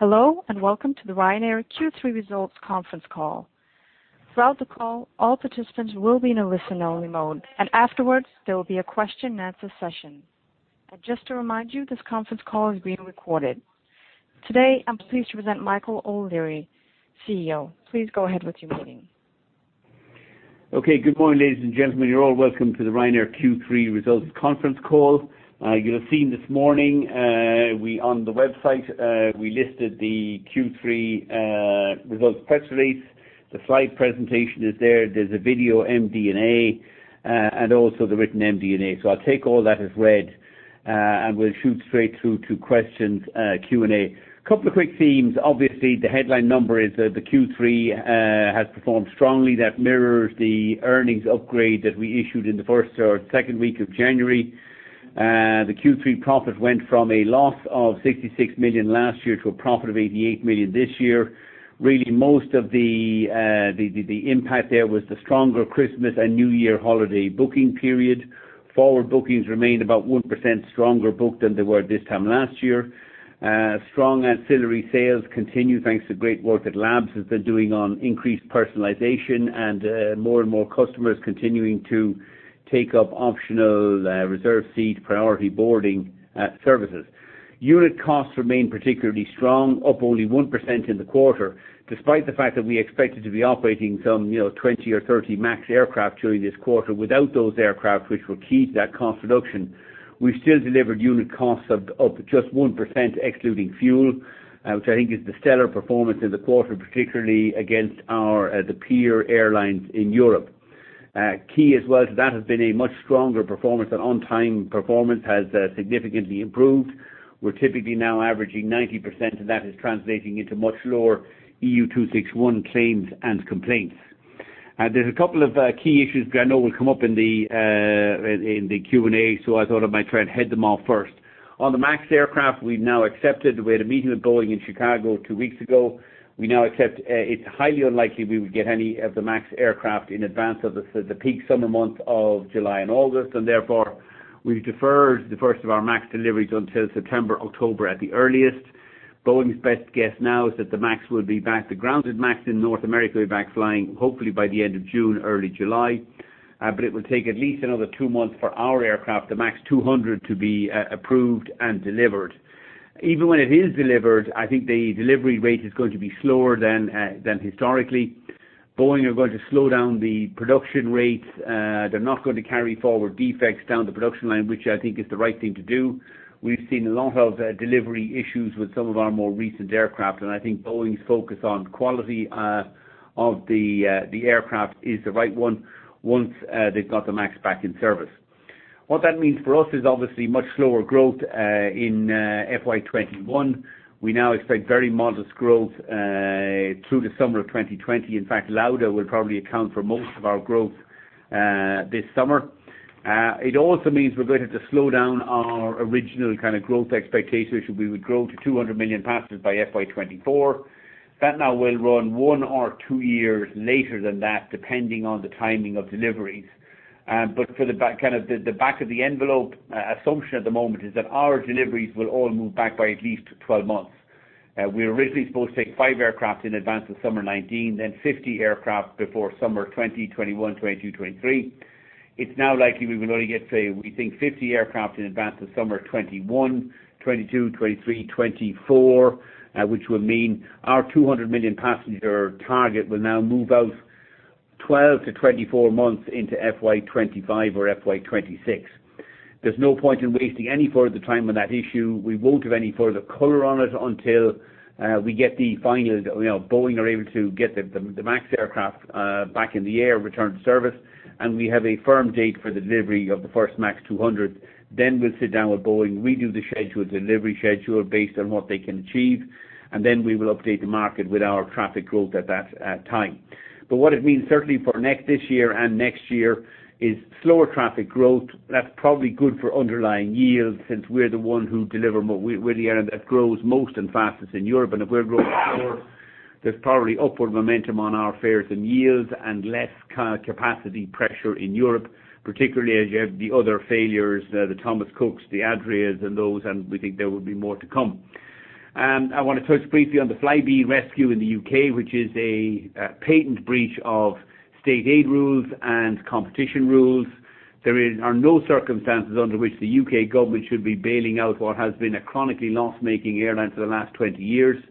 Hello, and welcome to the Ryanair Q3 results conference call. Throughout the call, all participants will be in a listen-only mode. Afterwards, there will be a question and answer session. Just to remind you, this conference call is being recorded. Today, I'm pleased to present Michael O'Leary, CEO. Please go ahead with your meeting. Good morning, ladies and gentlemen. You're all welcome to the Ryanair Q3 results conference call. You'll have seen this morning, on the website we listed the Q3 results press release. The slide presentation is there. There's a video MD&A, and also the written MD&A. I'll take all that as read, and we'll shoot straight through to questions, Q&A. Couple of quick themes. Obviously, the headline number is that the Q3 has performed strongly. That mirrors the earnings upgrade that we issued in the first or second week of January. The Q3 profit went from a loss of 66 million last year to a profit of 88 million this year. Really most of the impact there was the stronger Christmas and New Year holiday booking period. Forward bookings remained about 1% stronger booked than they were this time last year. Strong ancillary sales continue thanks to great work that Labs has been doing on increased personalization and more and more customers continuing to take up optional reserve seat priority boarding services. Unit costs remain particularly strong, up only 1% in the quarter, despite the fact that we expected to be operating some 20 or 30 MAX aircraft during this quarter. Without those aircraft, which were key to that cost reduction, we still delivered unit costs up just 1%, excluding fuel, which I think is the stellar performance in the quarter, particularly against the peer airlines in Europe. Key as well to that has been a much stronger performance. Our on-time performance has significantly improved. We're typically now averaging 90%, and that is translating into much lower EU261 claims and complaints. There's a couple of key issues that I know will come up in the Q&A, so I thought I might try and head them off first. On the MAX aircraft, we have now accepted. We had a meeting with Boeing in Chicago two weeks ago. We now accept it is highly unlikely we would get any of the MAX aircraft in advance of the peak summer months of July and August. Therefore, we have deferred the first of our MAX deliveries until September, October at the earliest. Boeing's best guess now is that the grounded MAX in North America will be back flying hopefully by the end of June, early July. It will take at least another two months for our aircraft, the MAX 200, to be approved and delivered. Even when it is delivered, I think the delivery rate is going to be slower than historically. Boeing are going to slow down the production rates. They're not going to carry forward defects down the production line, which I think is the right thing to do. We've seen a lot of delivery issues with some of our more recent aircraft. I think Boeing's focus on quality of the aircraft is the right one once they've got the MAX back in service. What that means for us is obviously much slower growth in FY 2021. We now expect very modest growth through the summer of 2020. In fact, Lauda will probably account for most of our growth this summer. It also means we're going to have to slow down our original growth expectations, which we would grow to 200 million passengers by FY 2024. That now will run one or two years later than that, depending on the timing of deliveries. For the back of the envelope assumption at the moment is that our deliveries will all move back by at least 12 months. We were originally supposed to take five aircraft in advance of summer 2019, then 50 aircraft before summer 2020, 2021, 2022, 2023. It's now likely we will only get, say, we think 50 aircraft in advance of summer 2021, 2022, 2023, 2024, which will mean our 200 million passenger target will now move out 12-24 months into FY 2025 or FY 2026. There's no point in wasting any further time on that issue. We won't have any further color on it until Boeing are able to get the MAX aircraft back in the air, return to service, and we have a firm date for the delivery of the first MAX 200. We'll sit down with Boeing, redo the delivery schedule based on what they can achieve, and then we will update the market with our traffic growth at that time. What it means, certainly for this year and next year, is slower traffic growth. That's probably good for underlying yields since we're the one who deliver more. We're the airline that grows most and fastest in Europe, and if we're growing slower, there's probably upward momentum on our fares and yields and less capacity pressure in Europe, particularly as you have the other failures, the Thomas Cooks, the Adrias, and those, and we think there will be more to come. I want to touch briefly on the Flybe rescue in the U.K., which is a patent breach of State Aid rules and competition rules. There are no circumstances under which the U.K. government should be bailing out what has been a chronically loss-making airline for the last 20 years.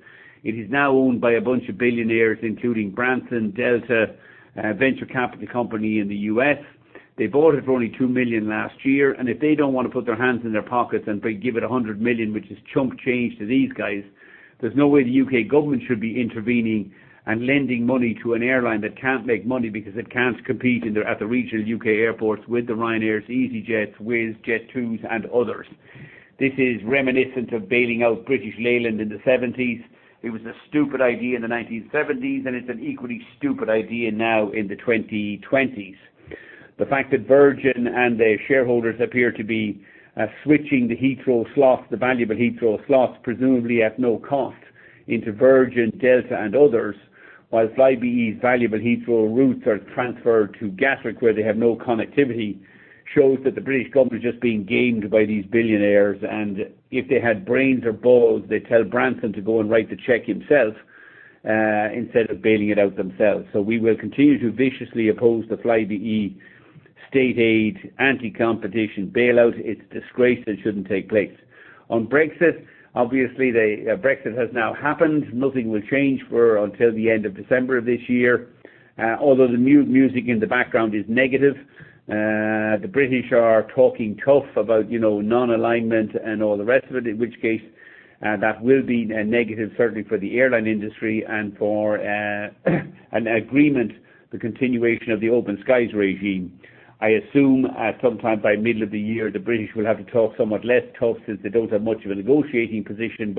It is now owned by a bunch of billionaires, including Branson, Delta, a venture capital company in the U.S. They bought it for only 2 million last year. If they don't want to put their hands in their pockets and give it 100 million, which is chump change to these guys, there's no way the U.K. government should be intervening and lending money to an airline that can't make money because it can't compete at the regional U.K. airports with the Ryanairs, easyJets, Wizz Air, Jet2s, and others. This is reminiscent of bailing out British Leyland in the 1970s. It was a stupid idea in the 1970s. It's an equally stupid idea now in the 2020s. The fact that Virgin and the shareholders appear to be switching the valuable Heathrow slots, presumably at no cost, into Virgin, Delta, and others. While Flybe's valuable Heathrow routes are transferred to Gatwick, where they have no connectivity, shows that the British government is just being gamed by these billionaires. If they had brains or balls, they'd tell Branson to go and write the check himself instead of bailing it out themselves. We will continue to viciously oppose the Flybe state aid anti-competition bailout. It's a disgrace that shouldn't take place. On Brexit, obviously, Brexit has now happened. Nothing will change for until the end of December of this year. Although the music in the background is negative. The British are talking tough about non-alignment and all the rest of it, in which case that will be negative, certainly for the airline industry and for an agreement, the continuation of the open skies regime. I assume at some time by middle of the year, the British will have to talk somewhat less tough, since they don't have much of a negotiating position.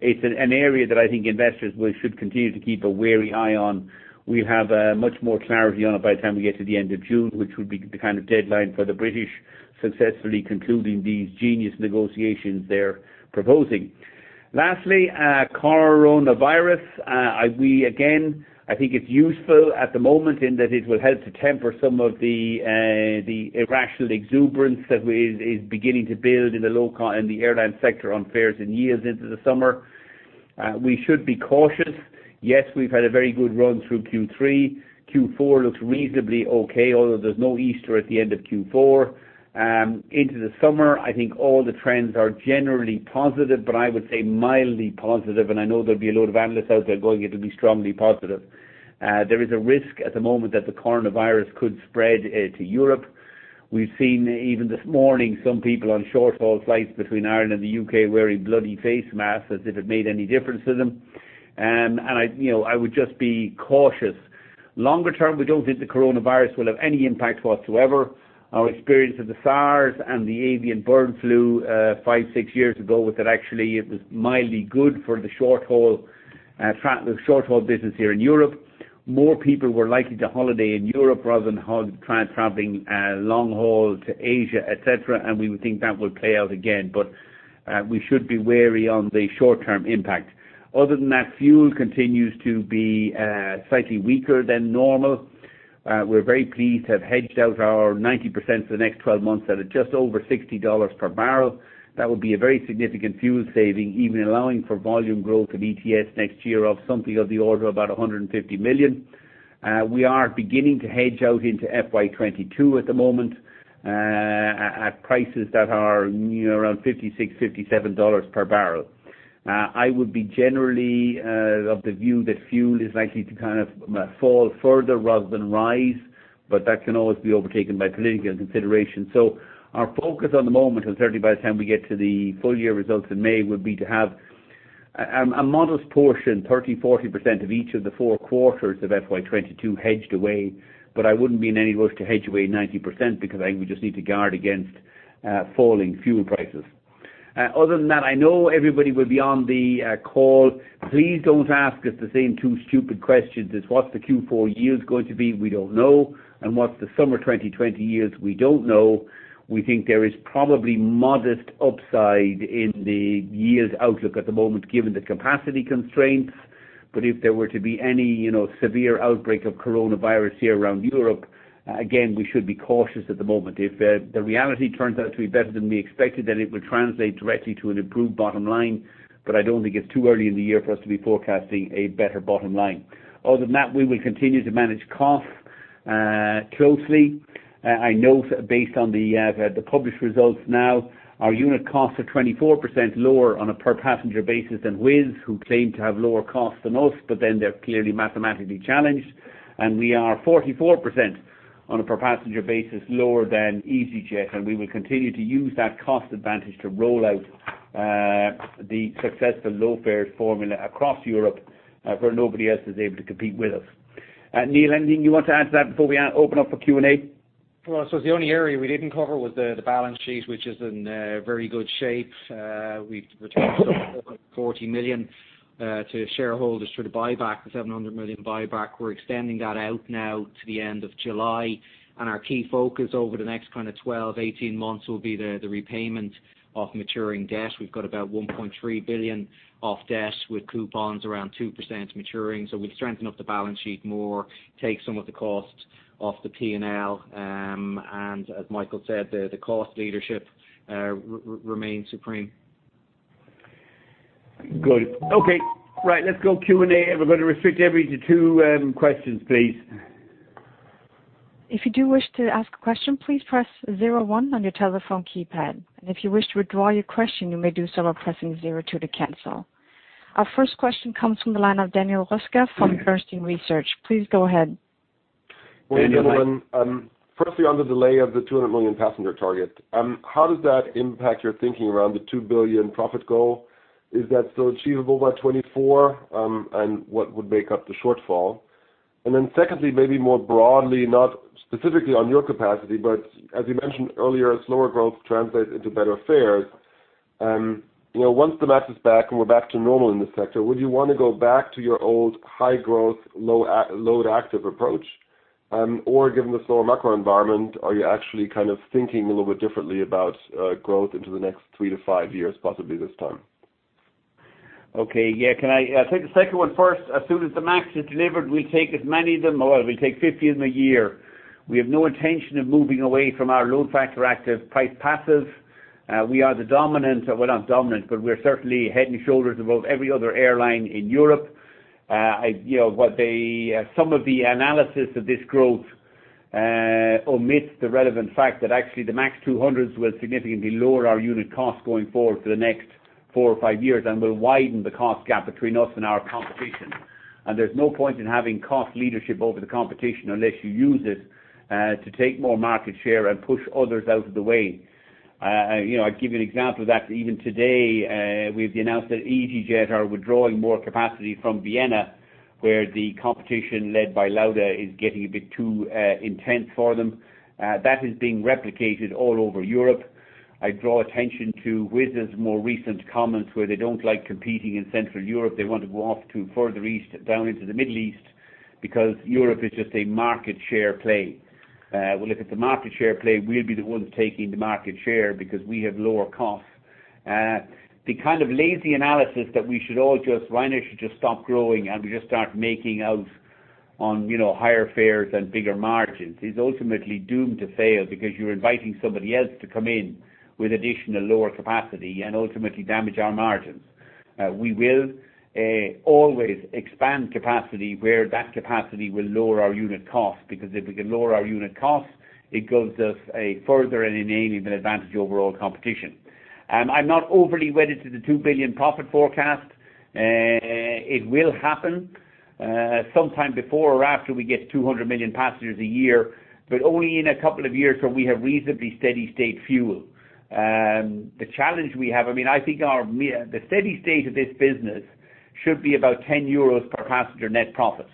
It's an area that I think investors should continue to keep a wary eye on. We have much more clarity on it by the time we get to the end of June, which would be the kind of deadline for the British successfully concluding these genius negotiations they're proposing. Lastly, coronavirus. I think it's useful at the moment in that it will help to temper some of the irrational exuberance that is beginning to build in the airline sector on fares in years into the summer. We should be cautious. We've had a very good run through Q3. Q4 looks reasonably okay, although there's no Easter at the end of Q4. Into the summer, I think all the trends are generally positive, I would say mildly positive. I know there'll be a lot of analysts out there going, "It'll be strongly positive." There is a risk at the moment that the coronavirus could spread to Europe. We've seen even this morning, some people on short-haul flights between Ireland and the U.K. wearing bloody face masks as if it made any difference to them. I would just be cautious. Longer term, we don't think the coronavirus will have any impact whatsoever. Our experience of the SARS and the avian bird flu, five, six years ago, was that actually it was mildly good for the short-haul business here in Europe. More people were likely to holiday in Europe rather than traveling long haul to Asia, et cetera. We would think that would play out again. We should be wary on the short-term impact. Other than that, fuel continues to be slightly weaker than normal. We're very pleased to have hedged out our 90% for the next 12 months at just over $60 per barrel. That would be a very significant fuel saving, even allowing for volume growth of ETS next year of something of the order of about 150 million. We are beginning to hedge out into FY 2022 at the moment, at prices that are around EUR 56, EUR 57 per barrel. I would be generally of the view that fuel is likely to kind of fall further rather than rise, but that can always be overtaken by political considerations. Our focus at the moment, and certainly by the time we get to the full year results in May, would be to have a modest portion, 30%-40% of each of the four quarters of FY 2022 hedged away. I wouldn't be in any rush to hedge away 90% because I think we just need to guard against falling fuel prices. Other than that, I know everybody will be on the call. Please don't ask us the same two stupid questions as what's the Q4 year is going to be. We don't know. What's the summer 2020 year? We don't know. We think there is probably modest upside in the year's outlook at the moment given the capacity constraints. If there were to be any severe outbreak of coronavirus here around Europe, again, we should be cautious at the moment. If the reality turns out to be better than we expected, then it will translate directly to an improved bottom line. I don't think it's too early in the year for us to be forecasting a better bottom line. Other than that, we will continue to manage costs closely. I note, based on the published results now, our unit costs are 24% lower on a per passenger basis than Wizz, who claim to have lower costs than us, but then they're clearly mathematically challenged. We are 44% on a per passenger basis lower than easyJet, and we will continue to use that cost advantage to roll out the successful low fares formula across Europe where nobody else is able to compete with us. Neil, anything you want to add to that before we open up for Q&A? Well, I suppose the only area we didn't cover was the balance sheet, which is in very good shape. We've returned 40 million to shareholders through the buyback, the 700 million buyback. We're extending that out now to the end of July. Our key focus over the next kind of 12, 18 months will be the repayment of maturing debt. We've got about 1.3 billion of debt with coupons around 2% maturing. We strengthen up the balance sheet more, take some of the costs off the P&L. As Michael said, the cost leadership remains supreme. Good. Okay. Right, let's go Q&A. We're going to restrict everybody to two questions, please. If you do wish to ask a question, please press zero one on your telephone keypad. If you wish to withdraw your question, you may do so by pressing zero two to cancel. Our first question comes from the line of Daniel Roeska from Bernstein Research. Please go ahead. Daniel, you're on. Morning, gentlemen. Firstly, on the delay of the 200 million passenger target, how does that impact your thinking around the 2 billion profit goal? Is that still achievable by 2024? What would make up the shortfall? Secondly, maybe more broadly, not specifically on your capacity, but as you mentioned earlier, slower growth translates into better fares. Once the math is back and we're back to normal in this sector, would you want to go back to your old high growth, load active approach? Given the slower macro environment, are you actually thinking a little bit differently about growth into the next three to five years, possibly this time? Okay. Yeah. Can I take the second one first? As soon as the MAX is delivered, we take as many of them, or we take 50 of them a year. We have no intention of moving away from our load factor active, price passive. We are the dominant, well, not dominant, but we're certainly head and shoulders above every other airline in Europe. Some of the analysis of this growth omits the relevant fact that actually the MAX 200s will significantly lower our unit cost going forward for the next four or five years and will widen the cost gap between us and our competition. There's no point in having cost leadership over the competition unless you use it to take more market share and push others out of the way. I'll give you an example of that. Even today, we've announced that easyJet are withdrawing more capacity from Vienna, where the competition led by Lauda is getting a bit too intense for them. That is being replicated all over Europe. I draw attention to Wizz's more recent comments where they don't like competing in Central Europe. They want to go off to further east, down into the Middle East, because Europe is just a market share play. Well, look, if it's a market share play, we'll be the ones taking the market share because we have lower costs. The kind of lazy analysis that Ryanair should just stop growing, and we just start making out on higher fares and bigger margins is ultimately doomed to fail because you're inviting somebody else to come in with additional lower capacity and ultimately damage our margins. We will always expand capacity where that capacity will lower our unit cost, because if we can lower our unit cost, it gives us a further and an even advantage over all competition. I'm not overly wedded to the 2 billion profit forecast. It will happen sometime before or after we get 200 million passengers a year, but only in a couple of years where we have reasonably steady state fuel. The challenge we have, I think the steady state of this business should be about 10 euros per passenger net profit.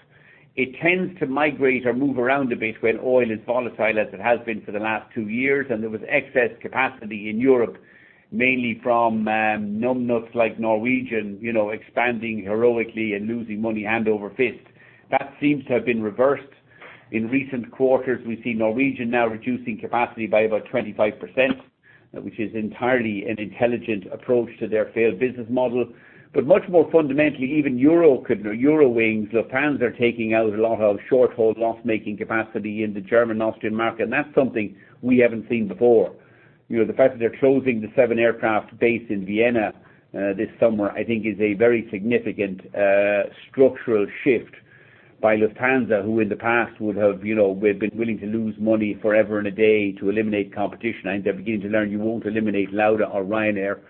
It tends to migrate or move around a bit when oil is volatile, as it has been for the last two years. There was excess capacity in Europe, mainly from numbnuts like Norwegian, expanding heroically and losing money hand over fist. That seems to have been reversed. In recent quarters, we see Norwegian now reducing capacity by about 25%, which is entirely an intelligent approach to their failed business model. Much more fundamentally, even Eurowings, Lufthansa are taking out a lot of short-haul loss-making capacity in the German-Austrian market, and that's something we haven't seen before. The fact that they're closing the seven aircraft base in Vienna this summer, I think is a very significant structural shift by Lufthansa, who in the past would have been willing to lose money forever and a day to eliminate competition, and they're beginning to learn you won't eliminate Lauda or Ryanair.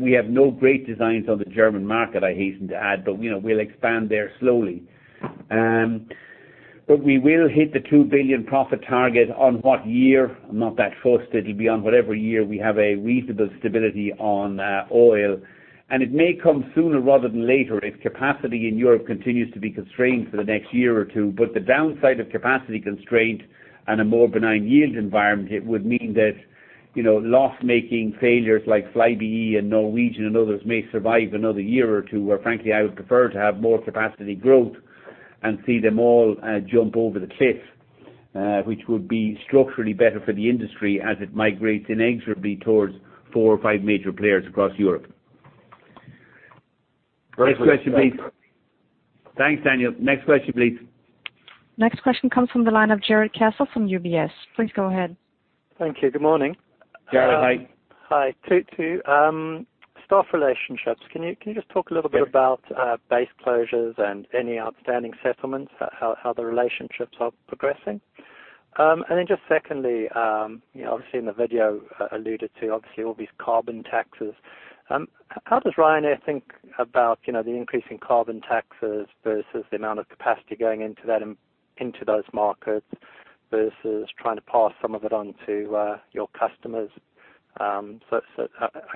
We have no great designs on the German market, I hasten to add, but we'll expand there slowly. We will hit the 2 billion profit target. On what year? I'm not that fussed. It'll be on whatever year we have a reasonable stability on oil. It may come sooner rather than later if capacity in Europe continues to be constrained for the next year or two. The downside of capacity constraint and a more benign yield environment, it would mean that loss-making failures like Flybe and Norwegian and others may survive another year or two, where frankly I would prefer to have more capacity growth and see them all jump over the cliff, which would be structurally better for the industry as it migrates inexorably towards four or five major players across Europe. Perfect. Next question, please. Thanks, Daniel. Next question, please. Next question comes from the line of Jarrod Castle from UBS. Please go ahead. Thank you. Good morning. Jarrod, hi. Hi. Two. Staff relationships. Can you just talk a little bit about base closures and any outstanding settlements, how the relationships are progressing? Then just secondly, obviously in the video alluded to obviously all these carbon taxes. How does Ryanair think about the increasing carbon taxes versus the amount of capacity going into those markets versus trying to pass some of it on to your customers? I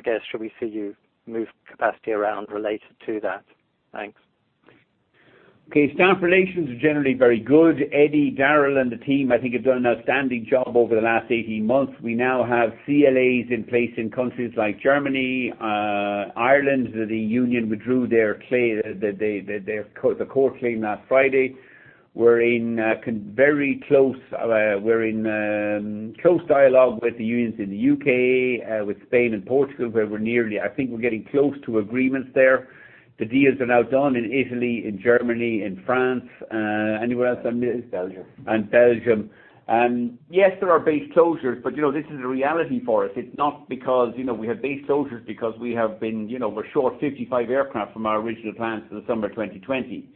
guess, should we see you move capacity around related to that? Thanks. Staff relations are generally very good. Eddie, Daryl, and the team I think have done an outstanding job over the last 18 months. We now have CLAs in place in countries like Germany, Ireland, the union withdrew their claim, the court claim last Friday. We're in close dialogue with the unions in the U.K., with Spain and Portugal, where I think we're getting close to agreements there. The deals are now done in Italy, in Germany, in France. Anywhere else, Eddie? It's Belgium. Belgium. Yes, there are base closures, this is a reality for us. It's not because we have base closures because we're short 55 aircraft from our original plans for the summer of 2020.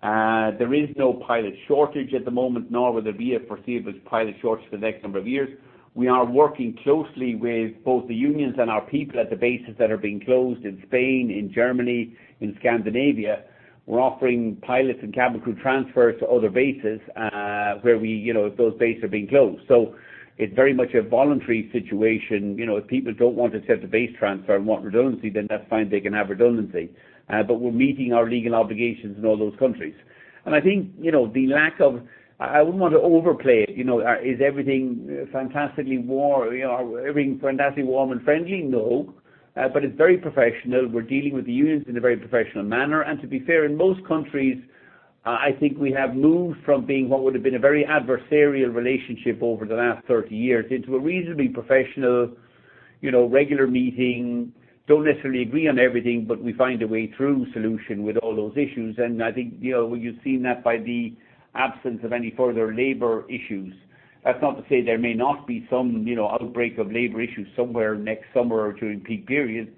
There is no pilot shortage at the moment, nor will there be a perceived pilot shortage for the next number of years. We are working closely with both the unions and our people at the bases that are being closed in Spain, in Germany, in Scandinavia. We're offering pilots and cabin crew transfers to other bases if those bases are being closed. It's very much a voluntary situation. If people don't want to accept a base transfer and want redundancy, then that's fine. They can have redundancy. We're meeting our legal obligations in all those countries. I think I wouldn't want to overplay it. Is everything fantastically warm and friendly? No. It's very professional. To be fair, in most countries, I think we have moved from being what would have been a very adversarial relationship over the last 30 years into a reasonably professional regular meeting. We don't necessarily agree on everything, we find a way through solution with all those issues. I think you've seen that by the absence of any further labor issues. That's not to say there may not be some outbreak of labor issues somewhere next summer or during peak periods.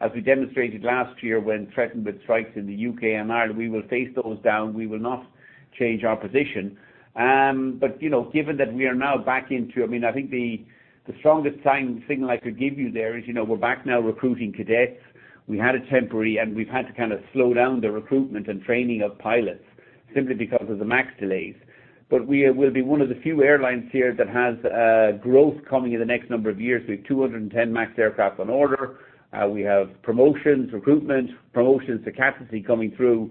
As we demonstrated last year when threatened with strikes in the U.K. and Ireland, we will face those down. We will not change our position. I think the strongest signal I could give you there is, we're back now recruiting cadets. We've had to slow down the recruitment and training of pilots simply because of the MAX delays. We will be one of the few airlines here that has growth coming in the next number of years with 210 MAX aircraft on order. We have promotions, recruitment, promotions to captaincy coming through.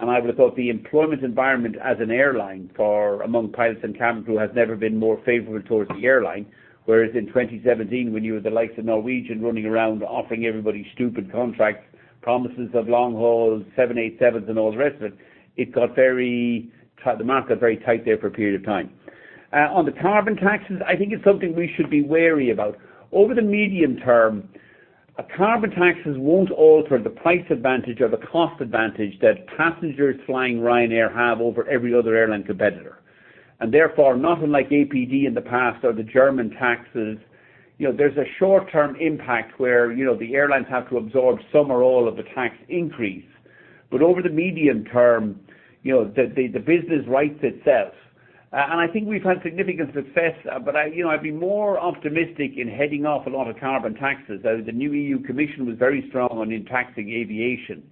I would have thought the employment environment as an airline for among pilots and cabin crew has never been more favorable towards the airline. Whereas in 2017, when you had the likes of Norwegian running around offering everybody stupid contracts, promises of long hauls, 787s and all the rest of it, the market got very tight there for a period of time. On the carbon taxes, I think it's something we should be wary about. Over the medium term, carbon taxes won't alter the price advantage or the cost advantage that passengers flying Ryanair have over every other airline competitor. Therefore, nothing like APD in the past or the German taxes. There's a short-term impact where the airlines have to absorb some or all of the tax increase. Over the medium term, the business rights itself. I think we've had significant success, but I'd be more optimistic in heading off a lot of carbon taxes, though the new EU Commission was very strong on in taxing aviation.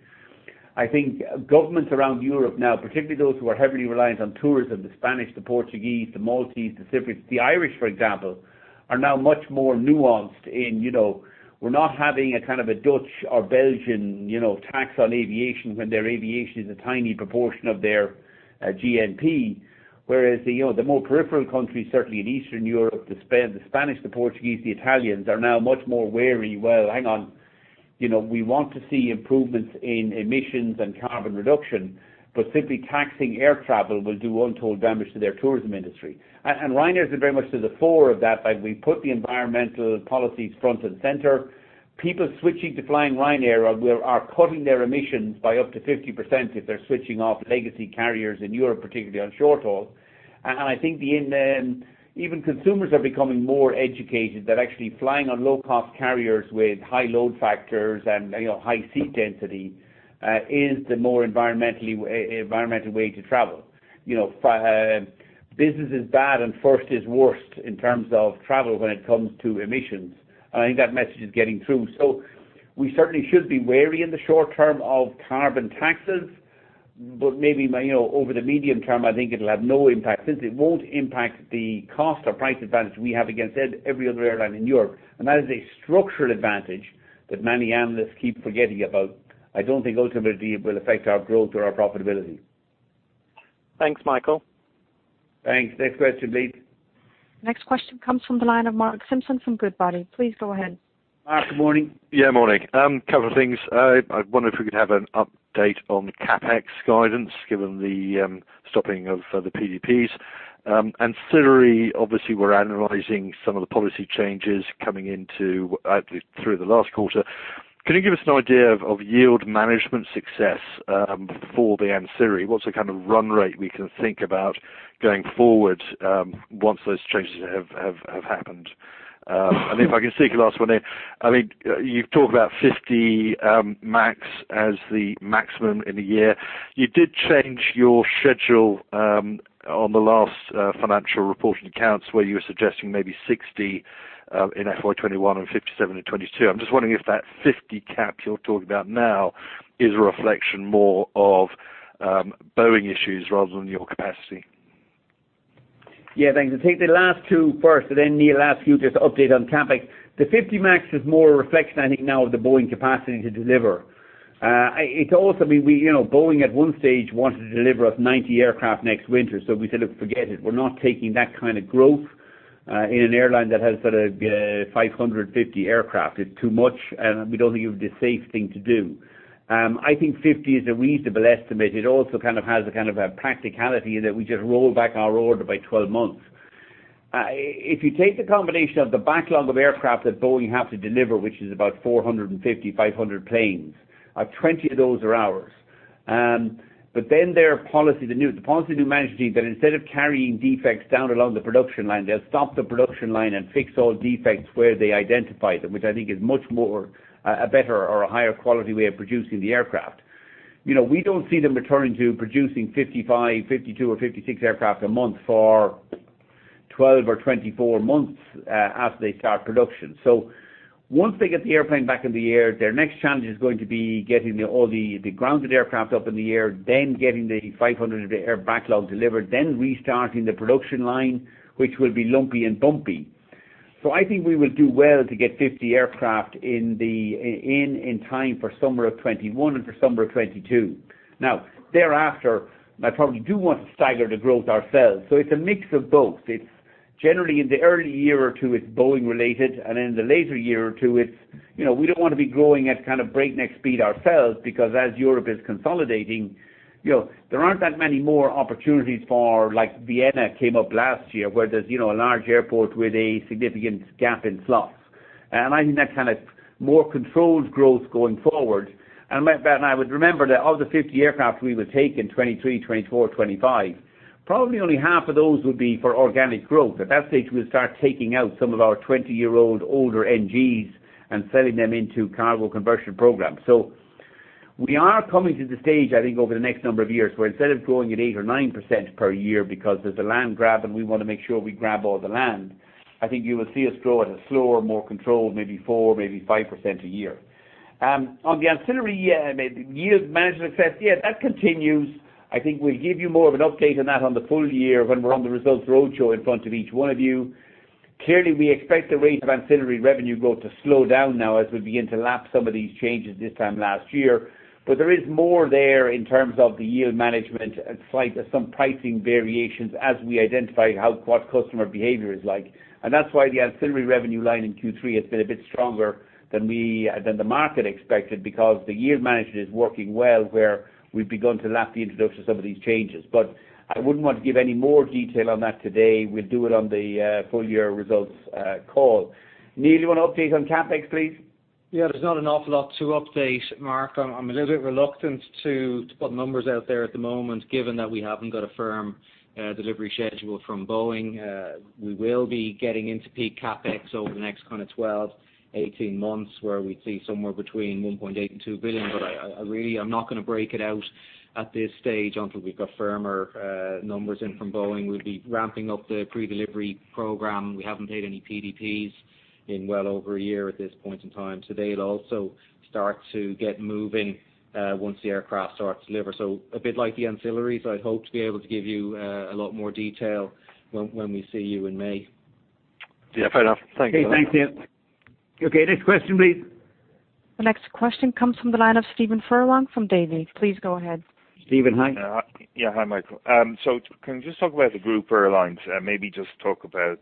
I think governments around Europe now, particularly those who are heavily reliant on tourism, the Spanish, the Portuguese, the Maltese, the Cypriots. The Irish, for example, are now much more nuanced in, we're not having a kind of a Dutch or Belgian tax on aviation when their aviation is a tiny proportion of their GNP. The more peripheral countries, certainly in Eastern Europe, the Spanish, the Portuguese, the Italians, are now much more wary. Well, hang on, we want to see improvements in emissions and carbon reduction, simply taxing air travel will do untold damage to their tourism industry. Ryanair is very much to the fore of that by we put the environmental policies front and center. People switching to flying Ryanair are cutting their emissions by up to 50% if they're switching off legacy carriers in Europe, particularly on short haul. I think even consumers are becoming more educated that actually flying on low-cost carriers with high load factors and high seat density, is the more environmental way to travel. Business is bad and first is worst in terms of travel when it comes to emissions. I think that message is getting through. We certainly should be wary in the short term of carbon taxes, maybe over the medium term, I think it'll have no impact. It won't impact the cost or price advantage we have against every other airline in Europe. That is a structural advantage that many analysts keep forgetting about. I don't think ultimately it will affect our growth or our profitability. Thanks, Michael. Thanks. Next question, please. Next question comes from the line of Mark Simpson from Goodbody. Please go ahead. Mark, good morning. Morning. Couple of things. I wonder if we could have an update on CapEx guidance, given the stopping of the PDPs. Ancillary, obviously, we're analyzing some of the policy changes coming into through the last quarter. Could you give us an idea of yield management success for the ancillary? What's the kind of run rate we can think about going forward, once those changes have happened? If I can sneak a last one in. You've talked about 50 MAX as the maximum in a year. You did change your schedule on the last financial report and accounts where you were suggesting maybe 60 in FY 2021 and 57 in 2022. I'm just wondering if that 50 cap you're talking about now is a reflection more of Boeing issues rather than your capacity. Thanks. I'll take the last two first, and then Neil ask you just to update on CapEx. The 50 MAX is more a reflection I think now of the Boeing capacity to deliver. It's also, Boeing at one stage wanted to deliver us 90 aircraft next winter. We said, "Look, forget it." We're not taking that kind of growth, in an airline that has sort of 550 aircraft. It's too much. We don't think it was the safe thing to do. I think 50 is a reasonable estimate. It also kind of has a kind of a practicality in that we just roll back our order by 12 months. If you take the combination of the backlog of aircraft that Boeing have to deliver, which is about 450, 500 planes, 20 of those are ours. Their policy, the new policy they're managing, that instead of carrying defects down along the production line, they'll stop the production line and fix all defects where they identify them, which I think is much more a better or a higher quality way of producing the aircraft. We don't see them returning to producing 55, 52, or 56 aircraft a month for 12 or 24 months, as they start production. Once they get the airplane back in the air, their next challenge is going to be getting all the grounded aircraft up in the air, then getting the 500 of the air backlog delivered, then restarting the production line, which will be lumpy and bumpy. I think we will do well to get 50 aircraft in time for summer of 2021 and for summer of 2022. Thereafter, I probably do want to stagger the growth ourselves. It's a mix of both. It's generally in the early year or two, it's Boeing related, and in the later year or two, it's we don't want to be growing at kind of breakneck speed ourselves because as Europe is consolidating, there aren't that many more opportunities for like Vienna came up last year where there's a large airport with a significant gap in slots. I think that's kind of more controlled growth going forward. I would remember that of the 50 aircraft we would take in 2023, 2024, 2025, probably only half of those would be for organic growth. At that stage, we'll start taking out some of our 20-year-old older NGs and selling them into cargo conversion programs. We are coming to the stage, I think, over the next number of years, where instead of growing at 8% or 9% per year because there's a land grab and we want to make sure we grab all the land, I think you will see us grow at a slower, more controlled, maybe 4%, maybe 5% a year. On the ancillary yield management success, yeah, that continues. I think we'll give you more of an update on that on the full year when we're on the results roadshow in front of each one of you. Clearly, we expect the rate of ancillary revenue growth to slow down now as we begin to lap some of these changes this time last year. There is more there in terms of the yield management and some pricing variations as we identify what customer behavior is like. That's why the ancillary revenue line in Q3 has been a bit stronger than the market expected, because the yield management is working well where we've begun to lap the introduction to some of these changes. I wouldn't want to give any more detail on that today. We'll do it on the full year results call. Neil, do you want to update on CapEx, please? Yeah, there's not an awful lot to update, Mark. I'm a little bit reluctant to put numbers out there at the moment, given that we haven't got a firm delivery schedule from Boeing. We will be getting into peak CapEx over the next kind of 12, 18 months, where we'd see somewhere between 1.8 billion and 2 billion. I'm not going to break it out at this stage until we've got firmer numbers in from Boeing. We'll be ramping up the pre-delivery program. We haven't paid any PDPs in well over a year at this point in time. They'll also start to get moving once the aircraft start to deliver. A bit like the ancillaries, I'd hope to be able to give you a lot more detail when we see you in May. Yeah, fair enough. Thank you. Okay, thanks, Neil. Okay. Next question, please. The next question comes from the line of Stephen Furlong from Davy. Please go ahead. Stephen, hi. Yeah. Hi, Michael. Can you just talk about the group airlines? Maybe just talk about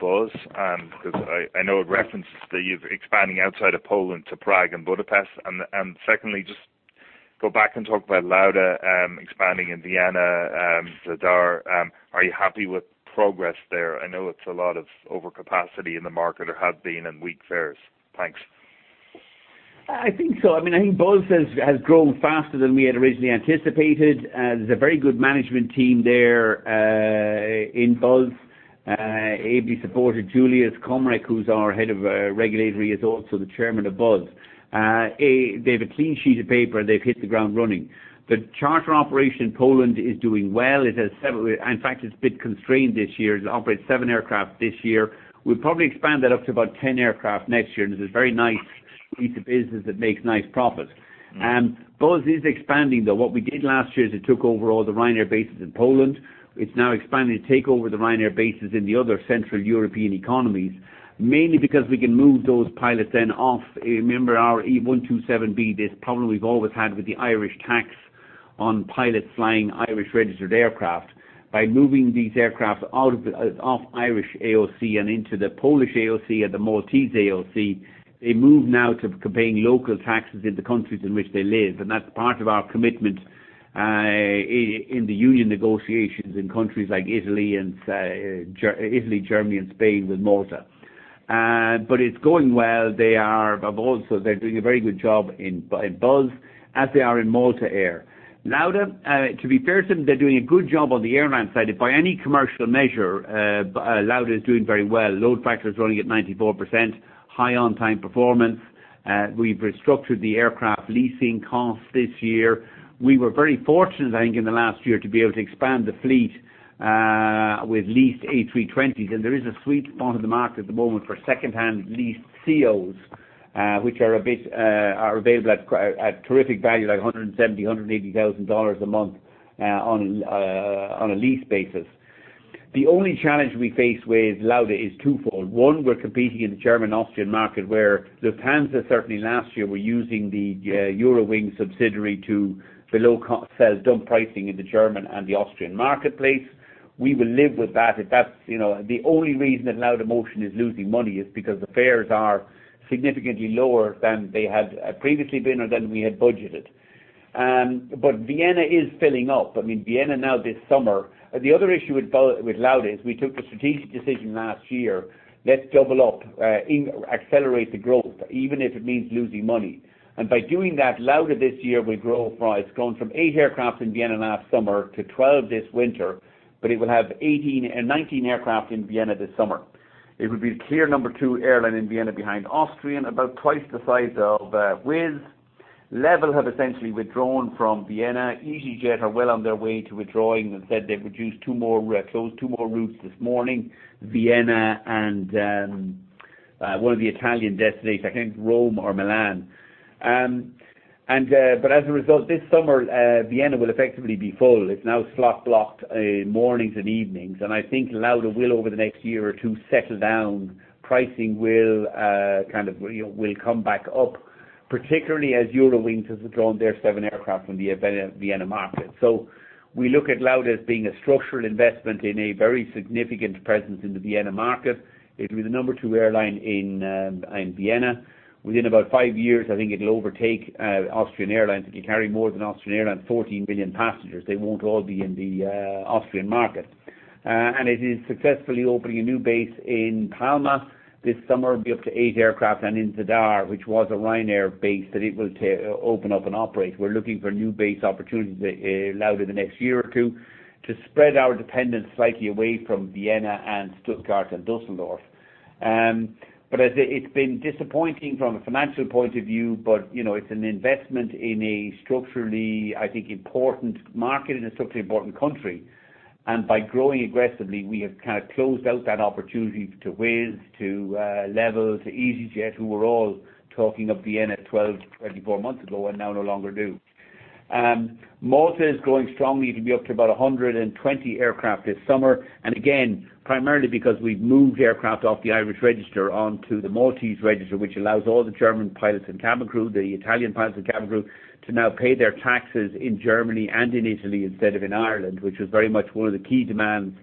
Buzz, because I know it references that you're expanding outside of Poland to Prague and Budapest. Secondly, just go back and talk about Lauda expanding in Vienna, Zadar. Are you happy with progress there? I know it's a lot of overcapacity in the market or had been, and weak fares. Thanks. I think so. I think Buzz has grown faster than we had originally anticipated. There's a very good management team there in Buzz, ably supported. Juliusz Komorek, who's our Head of Regulatory, is also the Chairman of Buzz. They have a clean sheet of paper, and they've hit the ground running. The charter operation in Poland is doing well. In fact, it's a bit constrained this year. It operates seven aircraft this year. We'll probably expand that up to about 10 aircraft next year, and this is a very nice piece of business that makes nice profit. Buzz is expanding, though. What we did last year is it took over all the Ryanair bases in Poland. It's now expanding to take over the Ryanair bases in the other central European economies, mainly because we can move those pilots then off. Remember our Section 127B, this problem we've always had with the Irish tax on pilots flying Irish-registered aircraft. By moving these aircraft off Irish AOC and into the Polish AOC and the Maltese AOC, they move now to paying local taxes in the countries in which they live, and that's part of our commitment in the union negotiations in countries like Italy, Germany, and Spain with Malta. It's going well. They're doing a very good job in Buzz as they are in Malta Air. Lauda, to be fair to them, they're doing a good job on the airline side. By any commercial measure, Lauda is doing very well. Load factor is running at 94%, high on-time performance. We've restructured the aircraft leasing costs this year. We were very fortunate, I think, in the last year to be able to expand the fleet with leased A320s, and there is a sweet spot in the market at the moment for secondhand leased A320ceos, which are available at terrific value, like 170,000, EUR 180,000 a month on a lease basis. The only challenge we face with Lauda is twofold. One, we're competing in the German-Austrian market where Lufthansa, certainly last year, were using the Eurowings subsidiary to sell dump pricing in the German and the Austrian marketplace. We will live with that. The only reason that Laudamotion is losing money is because the fares are significantly lower than they had previously been or than we had budgeted. Vienna is filling up now this summer. The other issue with Lauda is we took a strategic decision last year, let's double up, accelerate the growth, even if it means losing money. By doing that, Lauda this year will grow. It's gone from eight aircraft in Vienna last summer to 12 this winter, but it will have 19 aircraft in Vienna this summer. It will be the clear number two airline in Vienna behind Austrian, about twice the size of Wizz. LEVEL have essentially withdrawn from Vienna. easyJet are well on their way to withdrawing. They said they've closed two more routes this morning, Vienna and one of the Italian destinations, I think Rome or Milan. As a result, this summer, Vienna will effectively be full. It's now slot-blocked mornings and evenings, and I think Lauda will, over the next year or two, settle down. Pricing will come back up, particularly as Eurowings has withdrawn their seven aircraft from the Vienna market. We look at Lauda as being a structural investment in a very significant presence in the Vienna market. It'll be the number two airline in Vienna. Within about five years, I think it'll overtake Austrian Airlines. It can carry more than Austrian Airlines, 14 million passengers. They won't all be in the Austrian market. It is successfully opening a new base in Palma this summer. It'll be up to eight aircraft, and in Zadar, which was a Ryanair base, that it will open up and operate. We're looking for new base opportunities at Lauda the next year or two to spread our dependence slightly away from Vienna and Stuttgart and Düsseldorf. It's been disappointing from a financial point of view, but it's an investment in a structurally, I think, important market and a structurally important country. By growing aggressively, we have closed out that opportunity to Wizz, to LEVEL, to easyJet, who were all talking of Vienna 12, 24 months ago, and now no longer do. Malta is growing strongly. It'll be up to about 120 aircraft this summer. Again, primarily because we've moved aircraft off the Irish register onto the Maltese register, which allows all the German pilots and cabin crew, the Italian pilots and cabin crew, to now pay their taxes in Germany and in Italy instead of in Ireland, which was very much one of the key demands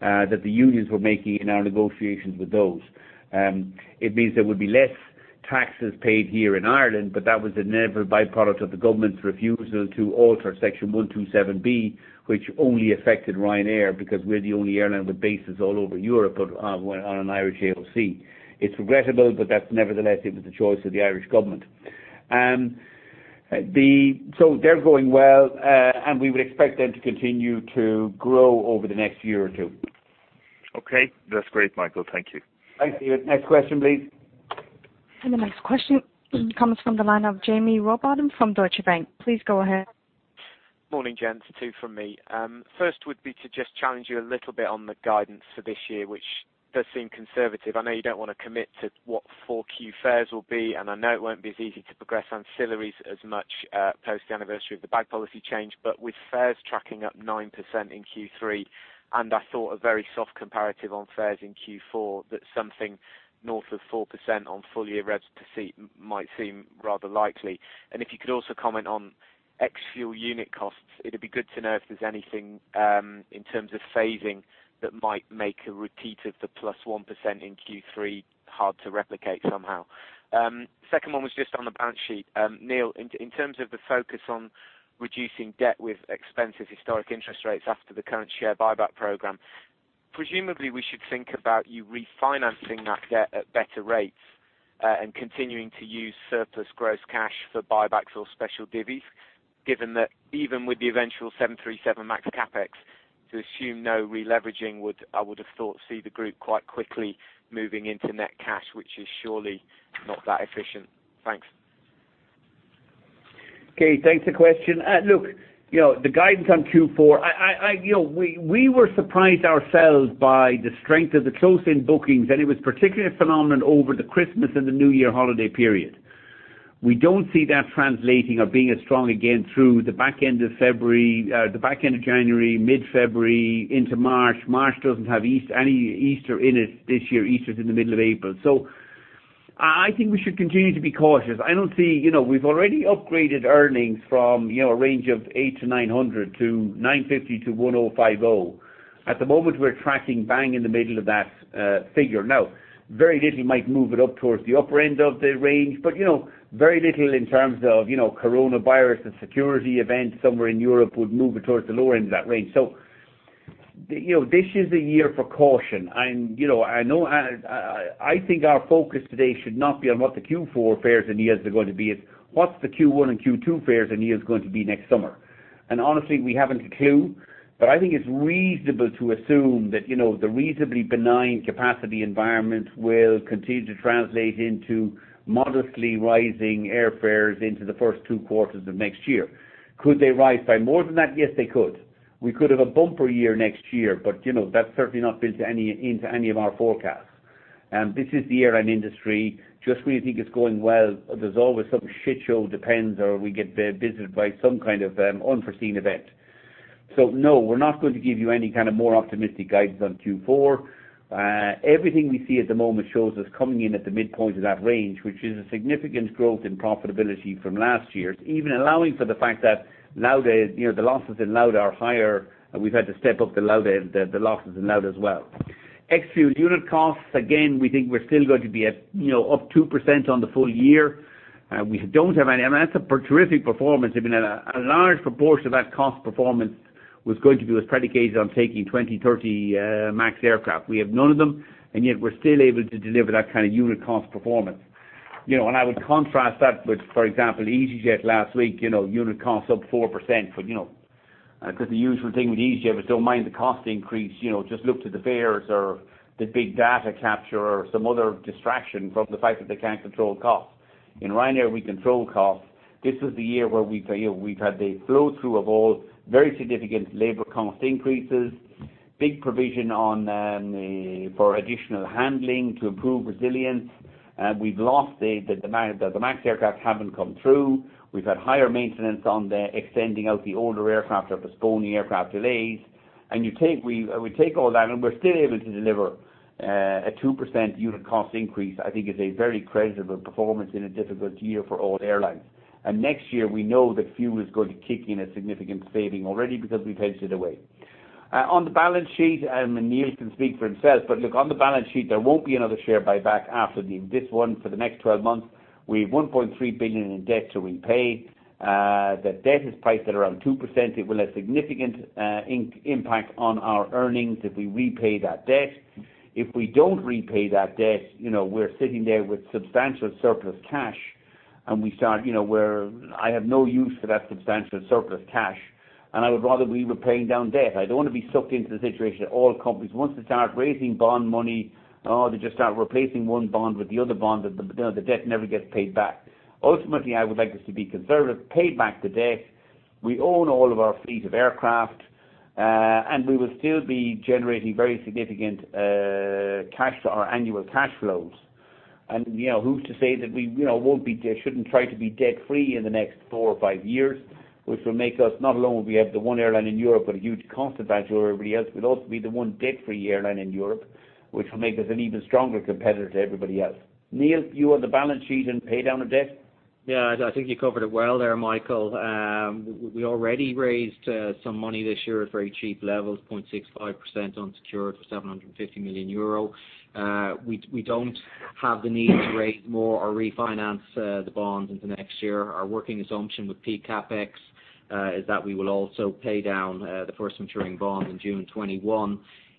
that the unions were making in our negotiations with those. It means there would be less taxes paid here in Ireland, but that was an inevitable byproduct of the government's refusal to alter Section 127B, which only affected Ryanair because we're the only airline with bases all over Europe, but on an Irish AOC. It's regrettable, but that's nevertheless, it was the choice of the Irish government. They're going well, and we would expect them to continue to grow over the next year or two. Okay. That's great, Michael. Thank you. Thanks, Stephen. Next question, please. The next question comes from the line of Jaime Rowbotham from Deutsche Bank. Please go ahead. Morning, gents. Two from me. First would be to just challenge you a little bit on the guidance for this year, which does seem conservative. I know you don't want to commit to what 4Q fares will be, and I know it won't be as easy to progress ancillaries as much post the anniversary of the bag policy change. With fares tracking up 9% in Q3, and I thought a very soft comparative on fares in Q4, that something north of 4% on full-year rev per seat might seem rather likely. If you could also comment on ex-fuel unit costs, it'd be good to know if there's anything in terms of saving that might make a repeat of the +1% in Q3 hard to replicate somehow. Second one was just on the balance sheet. Neil, in terms of the focus on reducing debt with expensive historic interest rates after the current share buyback program, presumably we should think about you refinancing that debt at better rates, and continuing to use surplus gross cash for buybacks or special divvies, given that even with the eventual 737 MAX CapEx, to assume no releveraging, I would have thought see the group quite quickly moving into net cash, which is surely not that efficient? Thanks. Okay, thanks for the question. Look, the guidance on Q4, we were surprised ourselves by the strength of the close-in bookings, and it was particularly a phenomenon over the Christmas and the New Year holiday period. We don't see that translating or being as strong again through the back end of January, mid-February into March. March doesn't have any Easter in it this year. Easter's in the middle of April. I think we should continue to be cautious. We've already upgraded earnings from a range of 800-900 to 950-1,050. At the moment, we're tracking bang in the middle of that figure. Very little might move it up towards the upper end of the range, but very little in terms of coronavirus and security events somewhere in Europe would move it towards the lower end of that range. This is a year for caution. I think our focus today should not be on what the Q4 fares and yields are going to be. It's what's the Q1 and Q2 fares and yields going to be next summer? Honestly, we haven't a clue, but I think it's reasonable to assume that the reasonably benign capacity environment will continue to translate into modestly rising airfares into the first two quarters of next year. Could they rise by more than that? Yes, they could. We could have a bumper year next year, That's certainly not built into any of our forecasts. This is the airline industry. Just when you think it's going well, there's always some shit show, or we get visited by some kind of unforeseen event. No, we're not going to give you any more optimistic guidance on Q4. Everything we see at the moment shows us coming in at the midpoint of that range, which is a significant growth in profitability from last year. Even allowing for the fact that the losses in Lauda are higher, we've had to step up the losses in Lauda as well. Ex-fuel unit costs, again, we think we're still going to be up 2% on the full year. That's a terrific performance. I mean, a large proportion of that cost performance was predicated on taking 20, 30 MAX aircraft. We have none of them, and yet we're still able to deliver that kind of unit cost performance. I would contrast that with, for example, easyJet last week, unit costs up 4%, because the usual thing with easyJet was, "Don't mind the cost increase, just look to the fares or the big data capture or some other distraction from the fact that they can't control costs." In Ryanair, we control costs. This was the year where we've had the flow-through of all very significant labor cost increases, big provision for additional handling to improve resilience. The MAX aircraft haven't come through. We've had higher maintenance on the extending out the older aircraft or postponing aircraft delays. We take all that, and we're still able to deliver a 2% unit cost increase. I think it's a very creditable performance in a difficult year for all airlines. Next year, we know that fuel is going to kick in a significant saving already because we've hedged it away. On the balance sheet, Neil can speak for himself, look, on the balance sheet, there won't be another share buyback after this one for the next 12 months. We have 1.3 billion in debt to repay. The debt is priced at around 2%. It will have significant impact on our earnings if we repay that debt. If we don't repay that debt, we're sitting there with substantial surplus cash, and I have no use for that substantial surplus cash. I would rather we were paying down debt. I don't want to be sucked into the situation that all companies, once they start raising bond money, or they just start replacing one bond with the other bond, that the debt never gets paid back. Ultimately, I would like us to be conservative, pay back the debt. We own all of our fleet of aircraft. We will still be generating very significant annual cash flows. Who's to say that we shouldn't try to be debt-free in the next four or five years, which will make us not only will be the one airline in Europe with a huge cost advantage over everybody else, we'll also be the one debt-free airline in Europe, which will make us an even stronger competitor to everybody else. Neil, you on the balance sheet and pay down of debt? Yeah, I think you covered it well there, Michael. We already raised some money this year at very cheap levels, 0.65% unsecured for 750 million euro. We don't have the need to raise more or refinance the bonds into next year. Our working assumption with peak CapEx is that we will also pay down the first maturing bond in June 2021.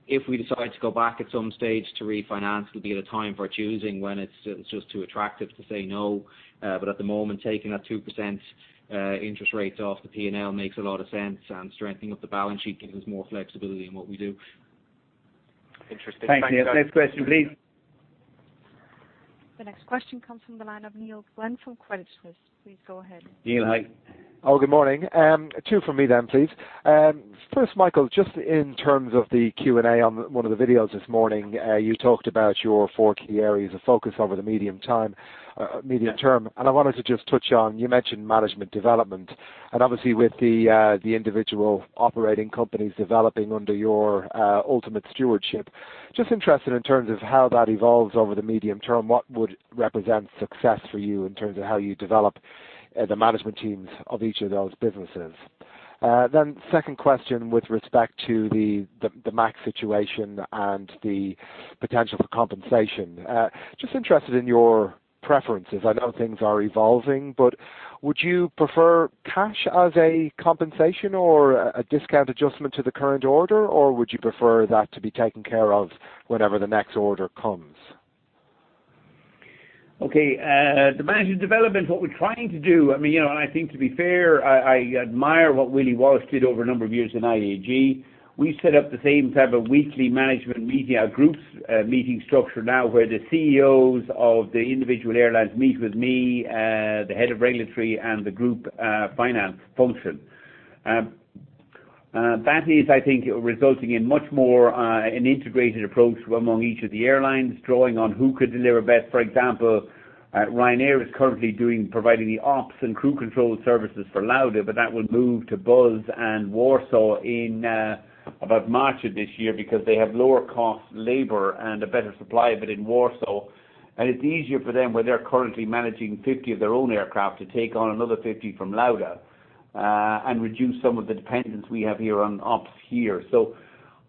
If we decide to go back at some stage to refinance, it'll be at a time of our choosing when it's just too attractive to say no. At the moment, taking that 2% interest rate off the P&L makes a lot of sense, and strengthening up the balance sheet gives us more flexibility in what we do. Interesting. Thanks. Thank you. Next question, please. The next question comes from the line of Neil Glynn from Credit Suisse. Please go ahead. Neil, hi. Good morning. Two from me, please. First, Michael, just in terms of the Q&A on one of the videos this morning, you talked about your four key areas of focus over the medium term. I wanted to just touch on, you mentioned management development. Obviously with the individual operating companies developing under your ultimate stewardship. Just interested in terms of how that evolves over the medium term. What would represent success for you in terms of how you develop the management teams of each of those businesses? Second question with respect to the MAX situation and the potential for compensation. Just interested in your preferences. I know things are evolving, but would you prefer cash as a compensation or a discount adjustment to the current order, or would you prefer that to be taken care of whenever the next order comes? Okay. The management development, what we're trying to do, I think, to be fair, I admire what Willie Walsh did over a number of years in IAG. We set up the same type of weekly management meeting, a groups meeting structure now where the CEOs of the individual airlines meet with me, the head of regulatory, and the group finance function. That is, I think, resulting in much more an integrated approach among each of the airlines, drawing on who could deliver best. For example, Ryanair is currently providing the ops and crew control services for Lauda, but that will move to Buzz and Warsaw in about March of this year because they have lower cost labor and a better supply of it in Warsaw. It's easier for them, where they're currently managing 50 of their own aircraft, to take on another 50 from Lauda, and reduce some of the dependence we have here on ops here.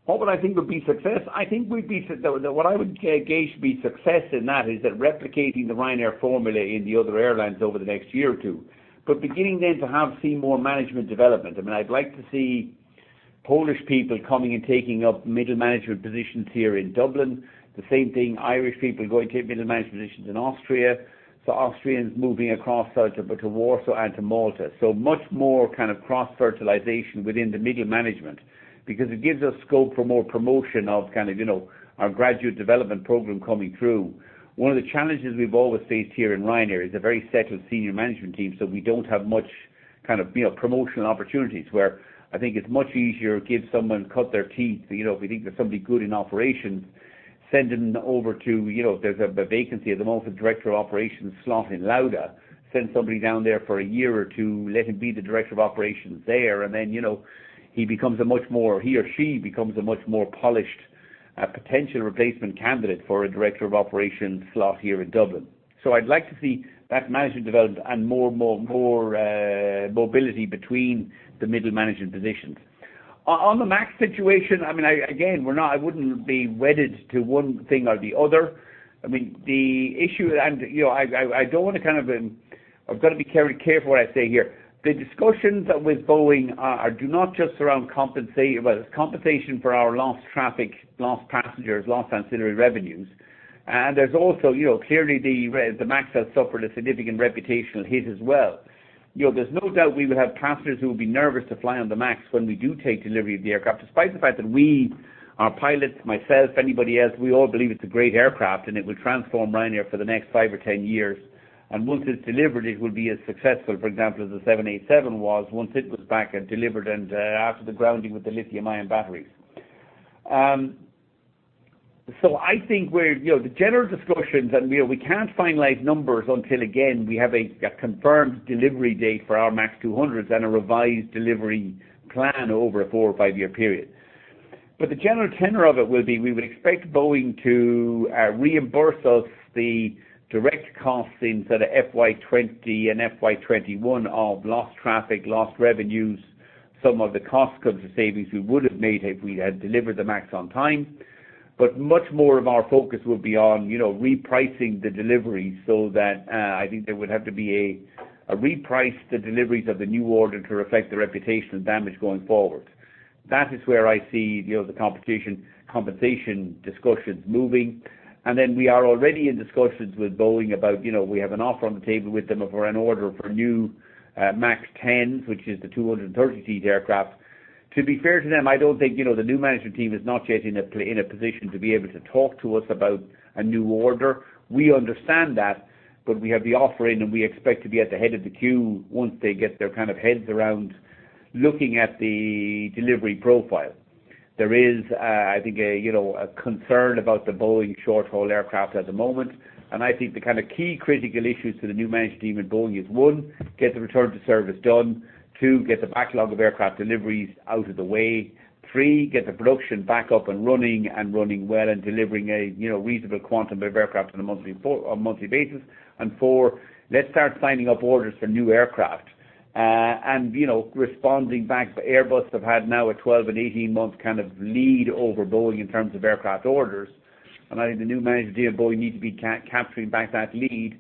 What would I think would be success? What I would gauge would be success in that is that replicating the Ryanair formula in the other airlines over the next year or two. Beginning then to have see more management development. I'd like to see Polish people coming and taking up middle management positions here in Dublin. The same thing, Irish people going take middle management positions in Austria. Austrians moving across to Warsaw and to Malta. Much more kind of cross-fertilization within the middle management because it gives us scope for more promotion of our graduate development program coming through. One of the challenges we've always faced here in Ryanair is a very settled senior management team, so we don't have much promotional opportunities where I think it's much easier to give someone cut their teeth. If we think there's somebody good in operations, send them over. If there's a vacancy at the moment for director of operations slot in Lauda, send somebody down there for a year or two, let him be the director of operations there, and then he or she becomes a much more polished potential replacement candidate for a director of operations slot here in Dublin. I'd like to see that management development and more mobility between the middle management positions. On the MAX situation, again, I wouldn't be wedded to one thing or the other. I've got to be careful what I say here. The discussions with Boeing are not just around compensation for our lost traffic, lost passengers, lost ancillary revenues. There's also, clearly the MAX has suffered a significant reputational hit as well. There's no doubt we will have passengers who will be nervous to fly on the MAX when we do take delivery of the aircraft, despite the fact that we, our pilots, myself, anybody else, we all believe it's a great aircraft, and it will transform Ryanair for the next five or 10 years. Once it's delivered, it will be as successful, for example, as the 787 was once it was back and delivered and after the grounding with the lithium-ion batteries. I think the general discussions, and we can't finalize numbers until again, we have a confirmed delivery date for our MAX 200s and a revised delivery plan over a four or five-year period. The general tenor of it will be, we would expect Boeing to reimburse us the direct costs in sort of FY 2020 and FY 2021 of lost traffic, lost revenues. Some of the cost cuts, the savings we would have made if we'd had delivered the MAX on time. Much more of our focus will be on repricing the delivery, so that I think there would have to be a reprice the deliveries of the new order to reflect the reputational damage going forward. Then we are already in discussions with Boeing about, we have an offer on the table with them for an order for new MAX 10s, which is the 230-seat aircraft. To be fair to them, I don't think the new management team is not yet in a position to be able to talk to us about a new order. We understand that, but we have the offer in, and we expect to be at the head of the queue once they get their heads around looking at the delivery profile. There is, I think, a concern about the Boeing short-haul aircraft at the moment, and I think the kind of key critical issues to the new management team at Boeing is, one, get the return to service done. Two, get the backlog of aircraft deliveries out of the way. Three, get the production back up and running and running well and delivering a reasonable quantum of aircraft on a monthly basis. Four, let's start signing up orders for new aircraft. Responding back to Airbus, they've had now a 12 and 18-month kind of lead over Boeing in terms of aircraft orders. I think the new management team at Boeing need to be capturing back that lead,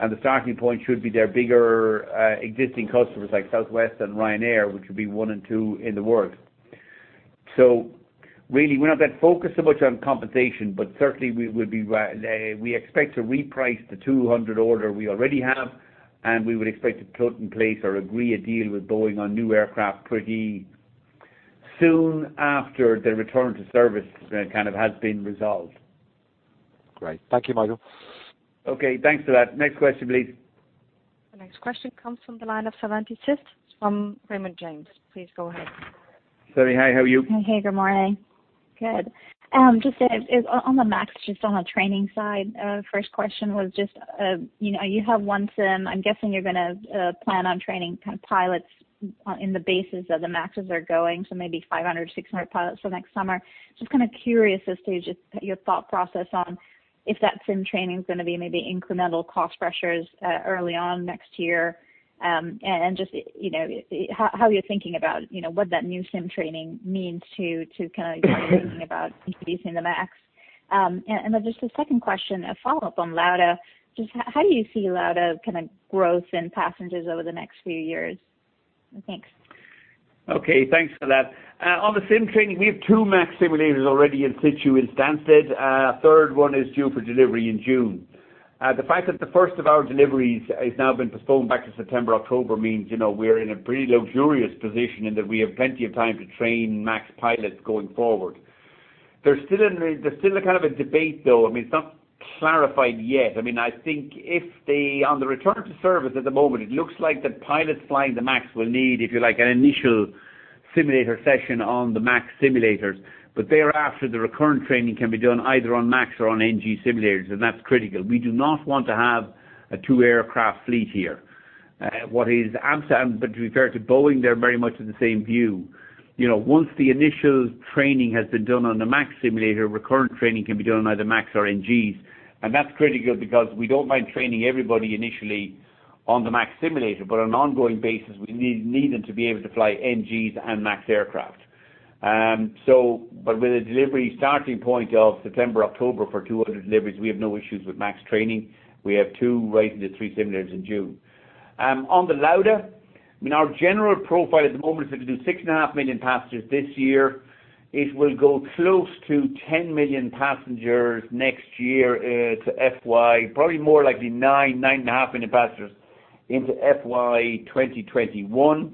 and the starting point should be their bigger existing customers like Southwest and Ryanair, which would be one and two in the world. Really, we're not that focused so much on compensation, but certainly, we expect to reprice the 200 order we already have, and we would expect to put in place or agree a deal with Boeing on new aircraft pretty soon after the return to service kind of has been resolved. Great. Thank you, Michael. Okay, thanks for that. Next question, please. The next question comes from the line of Savanthi Syth from Raymond James. Please go ahead. Savanthi, hi. How are you? Hey. Good morning. Good. Just on the MAX, just on the training side. First question was just, you have one sim. I'm guessing you're going to plan on training pilots in the bases of the MAX as they're going, so maybe 500 or 600 pilots for next summer. Just kind of curious as to just your thought process on if that sim training is going to be maybe incremental cost pressures early on next year. Just how you're thinking about what that new sim training means to thinking about introducing the MAX. Just a second question, a follow-up on Lauda. Just how do you see Lauda kind of growth in passengers over the next few years? Thanks. Okay. Thanks for that. On the sim training, we have two MAX simulators already in situ in Stansted. A third one is due for delivery in June. The fact that the first of our deliveries has now been postponed back to September, October means we're in a pretty luxurious position in that we have plenty of time to train MAX pilots going forward. There's still a kind of a debate, though. I mean, it's not clarified yet. On the return to service at the moment, it looks like the pilots flying the MAX will need, if you like, an initial simulator session on the MAX simulators, but thereafter, the recurrent training can be done either on MAX or on NG simulators. That's critical. We do not want to have a two-aircraft fleet here. What is EASA? To be fair to Boeing, they're very much of the same view. Once the initial training has been done on the MAX simulator, recurrent training can be done on either MAX or NGs. That's critical because we don't mind training everybody initially on the MAX simulator, but on an ongoing basis, we need them to be able to fly NGs and MAX aircraft. With a delivery starting point of September, October for 200 deliveries, we have no issues with MAX training. We have two, right to the three simulators in June. On the Lauda, our general profile at the moment is looking to do 6.5 million passengers this year. It will go close to 10 million passengers next year to FY, probably more likely 9.5 million passengers into FY 2021.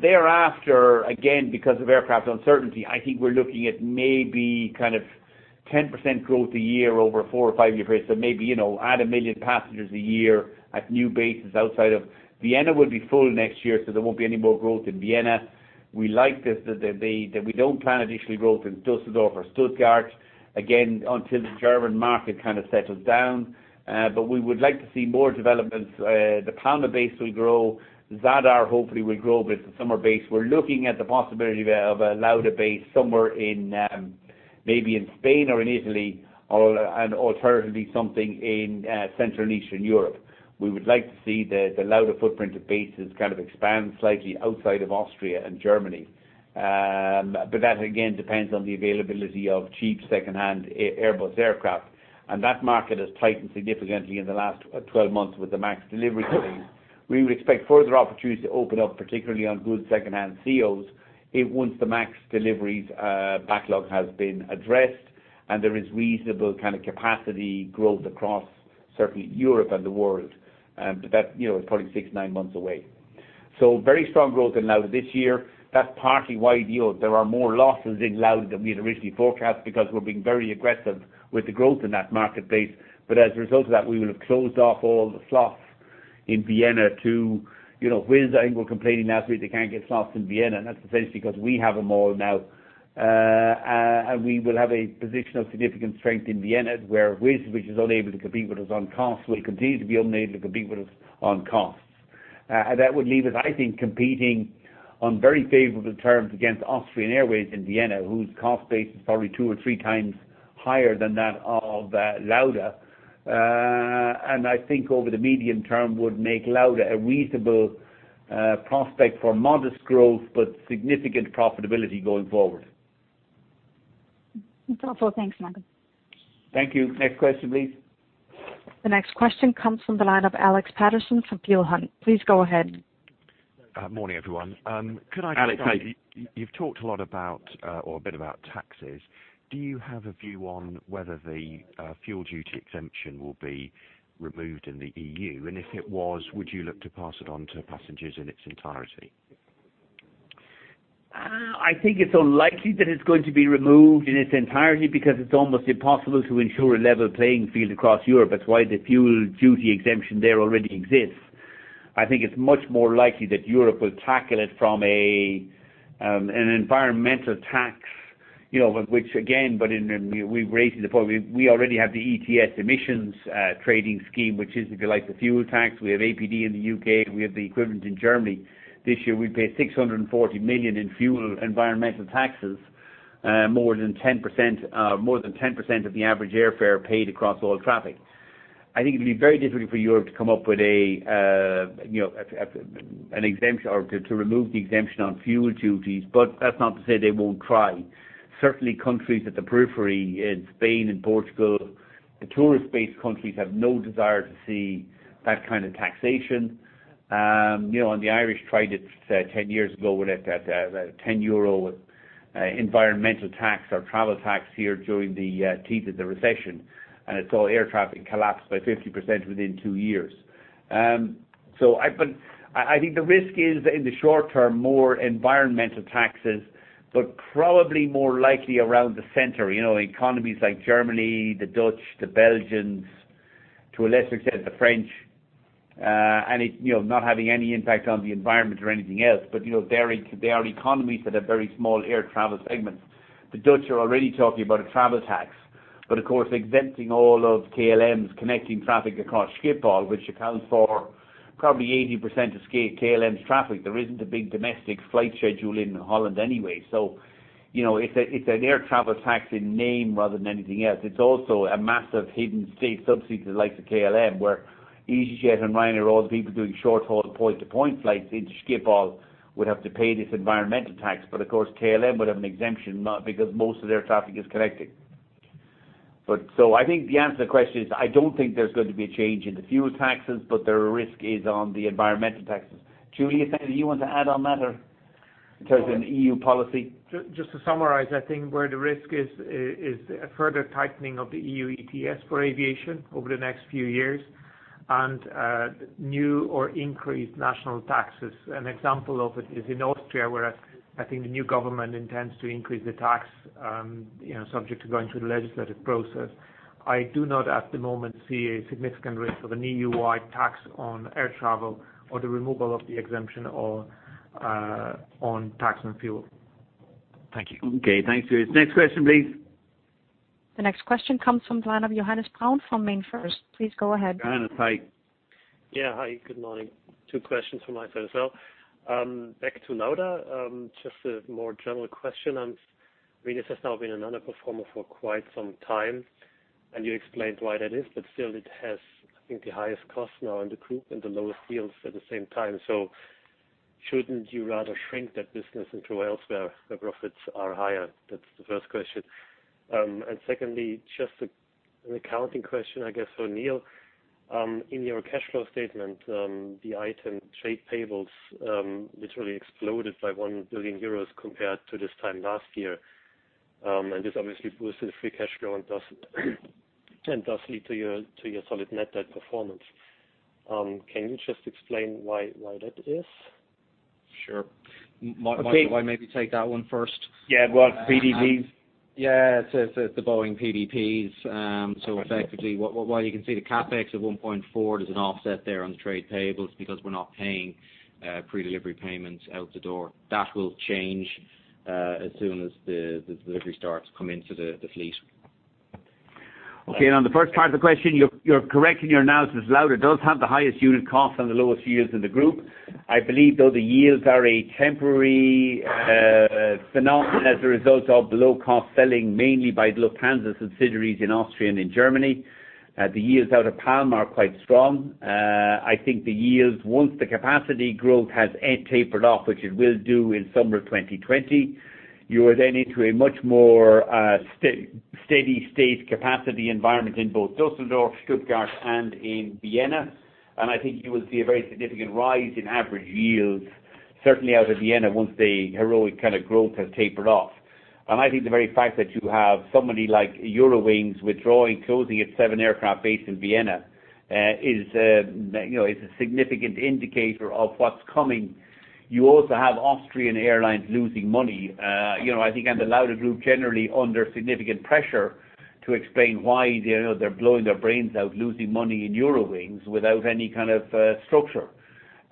Thereafter, again, because of aircraft uncertainty, I think we're looking at maybe 10% growth a year over a four or five-year period. Maybe add 1 million passengers a year at new bases outside of Vienna will be full next year, so there won't be any more growth in Vienna. We like this, that we don't plan additionally growth in Düsseldorf or Stuttgart, again, until the German market kind of settles down. We would like to see more developments. The Palma base will grow. Zadar, hopefully, will grow a bit to summer base. We're looking at the possibility of a Lauda base somewhere in maybe in Spain or in Italy or, alternatively, something in Central and Eastern Europe. We would like to see the Lauda footprint of bases kind of expand slightly outside of Austria and Germany. That, again, depends on the availability of cheap secondhand Airbus aircraft, and that market has tightened significantly in the last 12 months with the MAX delivery delays. We would expect further opportunities to open up, particularly on good secondhand [ceos]. Once the MAX deliveries backlog has been addressed and there is reasonable capacity growth across certainly Europe and the world. That is probably six, nine months away. Very strong growth in Lauda this year. That's partly why there are more losses in Lauda than we had originally forecast because we're being very aggressive with the growth in that marketplace. As a result of that, we will have closed off all the slots in Vienna to Wizz, I think, were complaining last week they can't get slots in Vienna, and that's essentially because we have them all now. We will have a position of significant strength in Vienna where Wizz, which is unable to compete with us on cost, will continue to be unable to compete with us on cost. That would leave us, I think, competing on very favorable terms against Austrian Airlines in Vienna, whose cost base is probably two or three times higher than that of Lauda. I think over the medium term would make Lauda a reasonable prospect for modest growth, but significant profitability going forward. That's all. Thanks, Michael. Thank you. Next question, please. The next question comes from the line of Alex Paterson from Peel Hunt. Please go ahead. Morning, everyone. Alex, how are you? You've talked a lot about or a bit about taxes. Do you have a view on whether the fuel duty exemption will be removed in the EU? If it was, would you look to pass it on to passengers in its entirety? I think it's unlikely that it's going to be removed in its entirety because it's almost impossible to ensure a level playing field across Europe. That's why the fuel duty exemption there already exists. I think it's much more likely that Europe will tackle it from an environmental tax, which again, but we've raised it before. We already have the ETS Emissions Trading Scheme, which is, if you like, the fuel tax. We have APD in the U.K., and we have the equivalent in Germany. This year, we paid 640 million in fuel environmental taxes. More than 10% of the average airfare paid across all traffic. I think it'd be very difficult for Europe to come up with an exemption or to remove the exemption on fuel duties, but that's not to say they won't try. Certainly, countries at the periphery in Spain and Portugal, the tourist-based countries have no desire to see that kind of taxation. The Irish tried it 10 years ago with a 10 euro environmental tax or travel tax here during the teeth of the recession, and so air traffic collapsed by 50% within two years. I think the risk is, in the short term, more environmental taxes, but probably more likely around the center. Economies like Germany, the Dutch, the Belgians, to a lesser extent, the French, and it not having any impact on the environment or anything else. Their economies have a very small air travel segment. The Dutch are already talking about a travel tax. Of course, exempting all of KLM's connecting traffic across Schiphol, which accounts for probably 80% of KLM's traffic. There isn't a big domestic flight schedule in Holland anyway. It's an air travel tax in name rather than anything else. It's also a massive hidden state subsidy to the likes of KLM, where easyJet and Ryanair, all the people doing short-haul point-to-point flights into Schiphol would have to pay this environmental tax. Of course, KLM would have an exemption not because most of their traffic is connecting. I think the answer to the question is, I don't think there's going to be a change in the fuel taxes, but their risk is on the environmental taxes. Juliusz, anything you want to add on that or in terms of EU policy? Just to summarize, I think where the risk is a further tightening of the EU ETS for aviation over the next few years and new or increased national taxes. An example of it is in Austria, where I think the new government intends to increase the tax, subject to going through the legislative process. I do not, at the moment, see a significant risk of an EU-wide tax on air travel or the removal of the exemption on tax on fuel. Thank you. Okay. Thanks, Julius. Next question, please. The next question comes from the line of Johannes Braun from MainFirst. Please go ahead. Johannes, hi. Yeah. Hi, good morning. Two questions from my side as well. Back to Lauda, just a more general question. I mean, this has now been a non-performer for quite some time, and you explained why that is, but still it has, I think, the highest cost now in the group and the lowest yields at the same time. Shouldn't you rather shrink that business into elsewhere where profits are higher? That's the first question. Secondly, just an accounting question, I guess, for Neil. In your cash flow statement, the item trade payables literally exploded by 1 billion euros compared to this time last year. This obviously boosted free cash flow and does lead to your solid net debt performance. Can you just explain why that is? Sure. Michael, why maybe take that one first? Yeah, well, PDPs. Yeah. It's the Boeing PDPs. Effectively, while you can see the CapEx of 1.4, there's an offset there on the trade payables because we're not paying Pre-Delivery Payments out the door. That will change as soon as the delivery starts coming to the fleet. Okay. On the first part of the question, you're correct in your analysis. Lauda does have the highest unit cost and the lowest yields in the group. I believe, though, the yields are a temporary phenomenon as a result of low-cost selling, mainly by Lufthansa subsidiaries in Austria and in Germany. The yields out of Palma are quite strong. I think the yields, once the capacity growth has tapered off, which it will do in summer 2020, you are then into a much more steady state capacity environment in both Dusseldorf, Stuttgart, and in Vienna. I think you will see a very significant rise in average yields, certainly out of Vienna, once the heroic kind of growth has tapered off. I think the very fact that you have somebody like Eurowings withdrawing, closing its seven aircraft base in Vienna is a significant indicator of what's coming. You also have Austrian Airlines losing money. I think, and the Lauda group generally under significant pressure to explain why they're blowing their brains out losing money in Eurowings without any kind of structure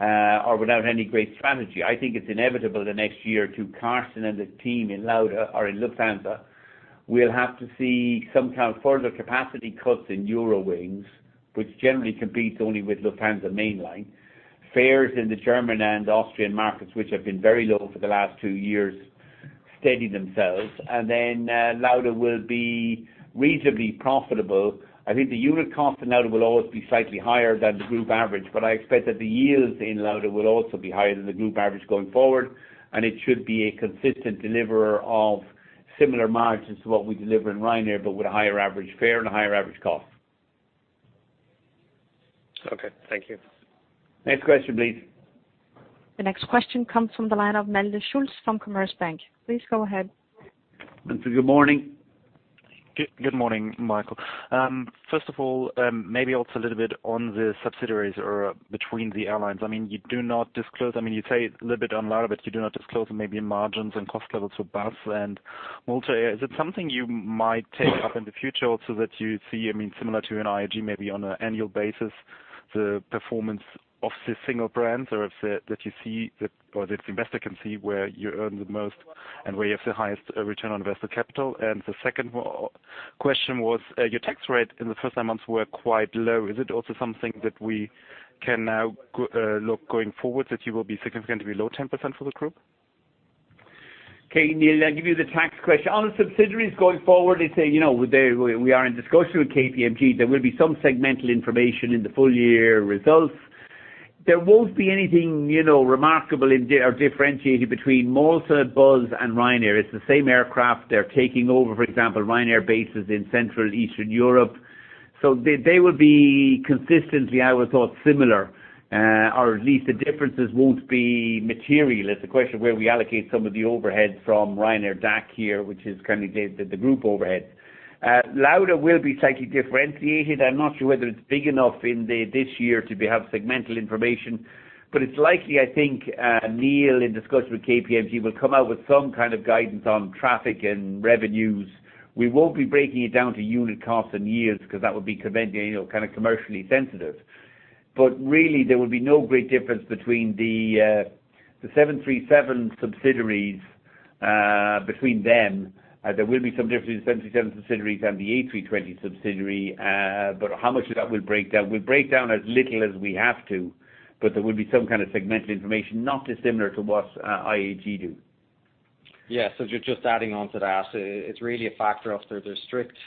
or without any great strategy. I think it's inevitable the next year or two, Carsten and his team in Lauda or in Lufthansa will have to see some kind of further capacity cuts in Eurowings, which generally competes only with Lufthansa main line. Fares in the German and Austrian markets, which have been very low for the last two years, steady themselves. Then Lauda will be reasonably profitable. I think the unit cost in Lauda will always be slightly higher than the group average, but I expect that the yields in Lauda will also be higher than the group average going forward, and it should be a consistent deliverer of similar margins to what we deliver in Ryanair, but with a higher average fare and a higher average cost. Okay. Thank you. Next question, please. The next question comes from the line of Malte Schulz from Commerzbank. Please go ahead. Good morning. Good morning, Michael. First of all, maybe also a little bit on the subsidiaries or between the airlines. You do not disclose. You say a little bit on Lauda. You do not disclose maybe margins and cost levels for Buzz and Malta. Is it something you might take up in the future also that you see, similar to an IAG, maybe on an annual basis, the performance of the single brands or that the investor can see where you earn the most and where you have the highest return on investor capital? The second question was, your tax rate in the first nine months were quite low. Is it also something that we can now look going forward that you will be significantly below 10% for the group? Okay, Neil, I'll give you the tax question. On the subsidiaries going forward, we are in discussion with KPMG. There will be some segmental information in the full year results. There won't be anything remarkable or differentiated between Malta, Buzz, and Ryanair. It's the same aircraft they're taking over, for example, Ryanair bases in Central Eastern Europe. They will be consistently, I would thought, similar, or at least the differences won't be material. It's a question of where we allocate some of the overhead from Ryanair DAC here, which is currently the group overhead. Lauda will be slightly differentiated. I'm not sure whether it's big enough this year to be having segmental information, it's likely, I think, Neil, in discussion with KPMG, will come out with some kind of guidance on traffic and revenues. We won't be breaking it down to unit costs and years because that would be kind of commercially sensitive. Really, there will be no great difference between the 737 subsidiaries between them. There will be some difference between 737 subsidiaries and the A320 subsidiary, but how much of that we'll break down. We'll break down as little as we have to, but there will be some kind of segmental information, not dissimilar to what IAG do. Yeah. Just adding on to that. It's really a factor of there's strict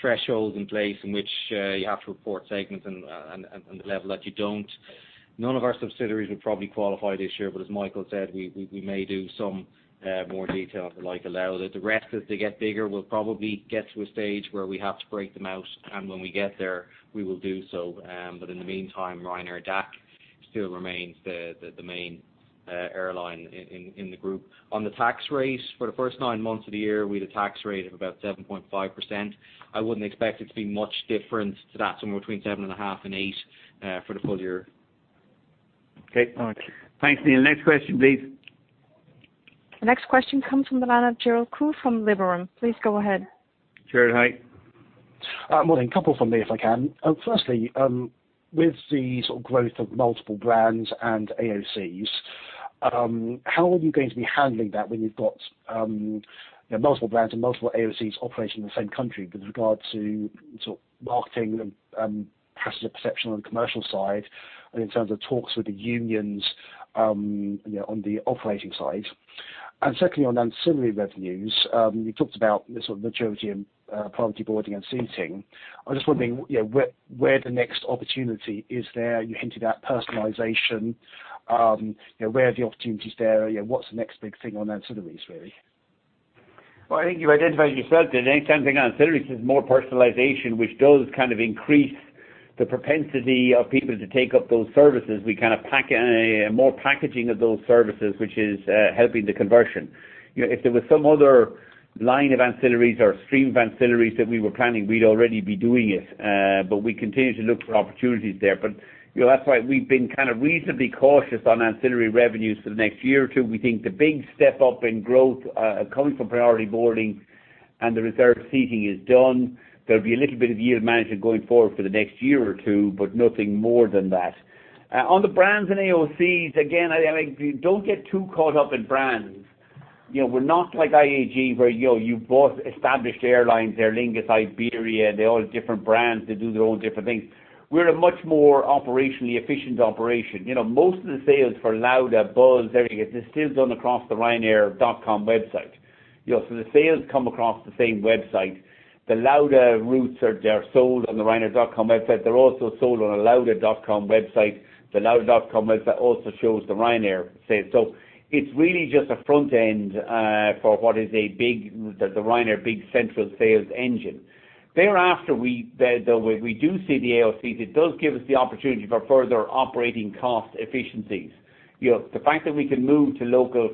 thresholds in place in which you have to report segments and the level that you don't. None of our subsidiaries would probably qualify this year, but as Michael said, we may do some more detail for like Lauda. The rest, as they get bigger, will probably get to a stage where we have to break them out, and when we get there, we will do so. In the meantime, Ryanair DAC still remains the main airline in the group. On the tax rates for the first nine months of the year, we had a tax rate of about 7.5%. I wouldn't expect it to be much different to that, somewhere between 7.5% and 8% for the full year. Okay, thank you. Thanks, Neil. Next question, please. The next question comes from the line of Gerald Khoo from Liberum. Please go ahead. Gerald, hi. Morning. A couple from me, if I can. Firstly, with the sort of growth of multiple brands and AOCs, how are you going to be handling that when you've got multiple brands and multiple AOCs operating in the same country with regard to marketing and passenger perception on the commercial side and in terms of talks with the unions on the operating side? Secondly, on ancillary revenues, you talked about the majority in priority boarding and seating. I'm just wondering where the next opportunity is there. You hinted at personalization. Where are the opportunities there? What's the next big thing on ancillaries, really? Well, I think you identified yourself. The next big thing on ancillaries is more personalization, which does increase the propensity of people to take up those services. We kind of more packaging of those services, which is helping the conversion. If there was some other line of ancillaries or stream of ancillaries that we were planning, we'd already be doing it. We continue to look for opportunities there. That's why we've been reasonably cautious on ancillary revenues for the next year or two. We think the big step up in growth coming from priority boarding and the reserved seating is done. There'll be a little bit of yield management going forward for the next year or two, but nothing more than that. On the brands and AOCs, again, don't get too caught up in brands. We're not like IAG, where you bought established airlines, Aer Lingus, Iberia. They're all different brands. They do their own different things. We're a much more operationally efficient operation. Most of the sales for Lauda, Buzz, Aer Lingus, they're still done across the ryanair.com website. The sales come across the same website. The Lauda routes. They're sold on the ryanair.com website. They're also sold on a lauda.com website. The lauda.com website also shows the Ryanair sales. It's really just a front end for what is the Ryanair big central sales engine. Thereafter, we do see the AOCs. It does give us the opportunity for further operating cost efficiencies. The fact that we can move to local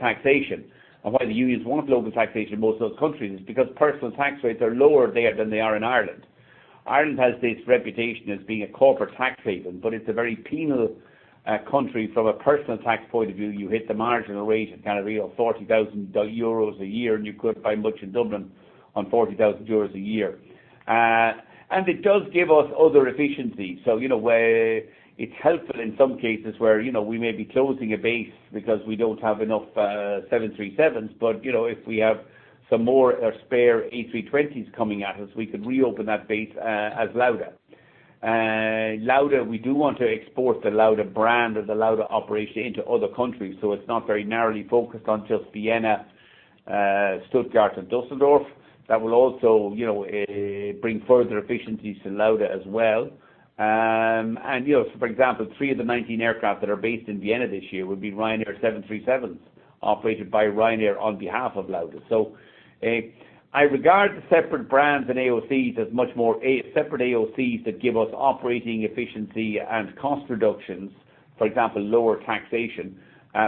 taxation, and why the unions want local taxation in most of those countries is because personal tax rates are lower there than they are in Ireland. Ireland has this reputation as being a corporate tax haven, but it's a very penal country from a personal tax point of view. You hit the marginal rate at kind of 40,000 euros a year, and you couldn't buy much in Dublin on 40,000 euros a year. It does give us other efficiencies. Where it's helpful in some cases where we may be closing a base because we don't have enough 737s, but if we have some more spare A320s coming at us, we could reopen that base as Lauda. We do want to export the Lauda brand or the Lauda operation into other countries, so it's not very narrowly focused on just Vienna, Stuttgart, and Dusseldorf. That will also bring further efficiencies to Lauda as well. For example, three of the 19 aircraft that are based in Vienna this year will be Ryanair 737s operated by Ryanair on behalf of Lauda. I regard the separate brands and AOC as much more separate AOCs that give us operating efficiency and cost reductions, for example, lower taxation,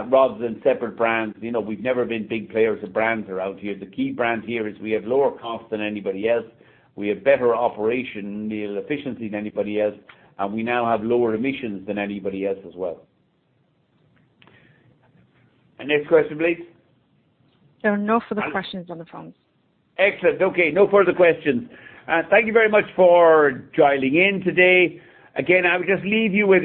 rather than separate brands. We've never been big players of brands out here. The key brand here is we have lower cost than anybody else, we have better operational efficiency than anybody else, and we now have lower emissions than anybody else as well. Next question, please. There are no further questions on the phone. Excellent. Okay, no further questions. Thank you very much for dialing in today. Again, I would just leave you with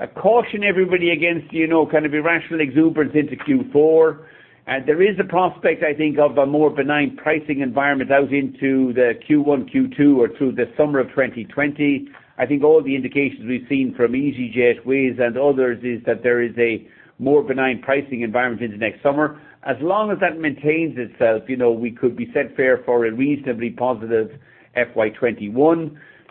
a caution everybody against kind of irrational exuberance into Q4. There is a prospect, I think of a more benign pricing environment out into the Q1, Q2, or through the summer of 2020. I think all the indications we've seen from easyJet, Wizz Air, and others is that there is a more benign pricing environment into next summer. As long as that maintains itself, we could be set fair for a reasonably positive FY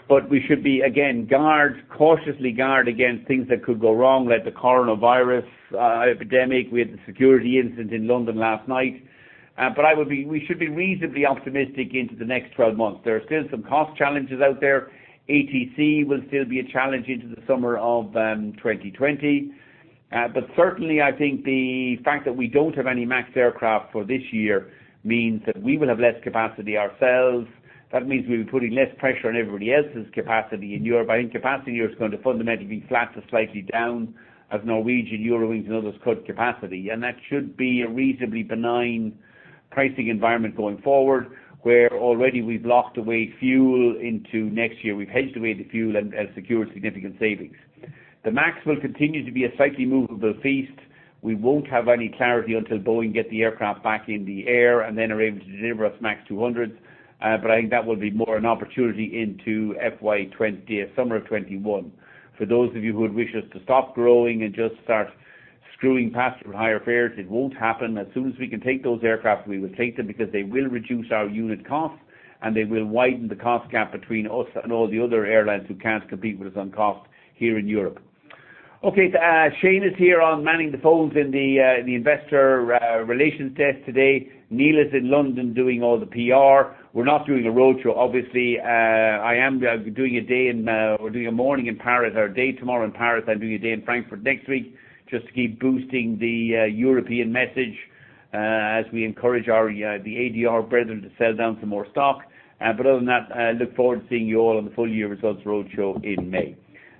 2021. We should be, again, guard, cautiously guard against things that could go wrong, like the coronavirus epidemic. We had the security incident in London last night. We should be reasonably optimistic into the next 12 months. There are still some cost challenges out there. ATC will still be a challenge into the summer of 2020. Certainly, I think the fact that we don't have any MAX aircraft for this year means that we will have less capacity ourselves. That means we'll be putting less pressure on everybody else's capacity in Europe. I think capacity in Europe is going to fundamentally be flat to slightly down as Norwegian, Eurowings, and others cut capacity. That should be a reasonably benign pricing environment going forward, where already we've locked away fuel into next year. We've hedged away the fuel and secured significant savings. The MAX will continue to be a slightly moveable feast. We won't have any clarity until Boeing get the aircraft back in the air and then are able to deliver us MAX 200s. I think that will be more an opportunity into FY 2021. For those of you who would wish us to stop growing and just start screwing passengers for higher fares, it won't happen. As soon as we can take those aircraft, we will take them because they will reduce our unit cost, and they will widen the cost gap between us and all the other airlines who can't compete with us on cost here in Europe. Okay. Shane is here manning the phones in the investor relations desk today. Neil is in London doing all the PR. We're not doing a roadshow, obviously. I am doing a morning in Paris, or a day tomorrow in Paris. I'm doing a day in Frankfurt next week just to keep boosting the European message as we encourage the ADR brethren to sell down some more stock. Other than that, I look forward to seeing you all on the full-year results roadshow in May.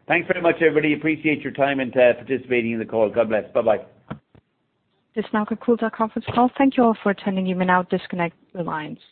Thanks very much, everybody. Appreciate your time and participating in the call. God bless. Bye-bye. This now concludes our conference call. Thank you all for attending. You may now disconnect your lines.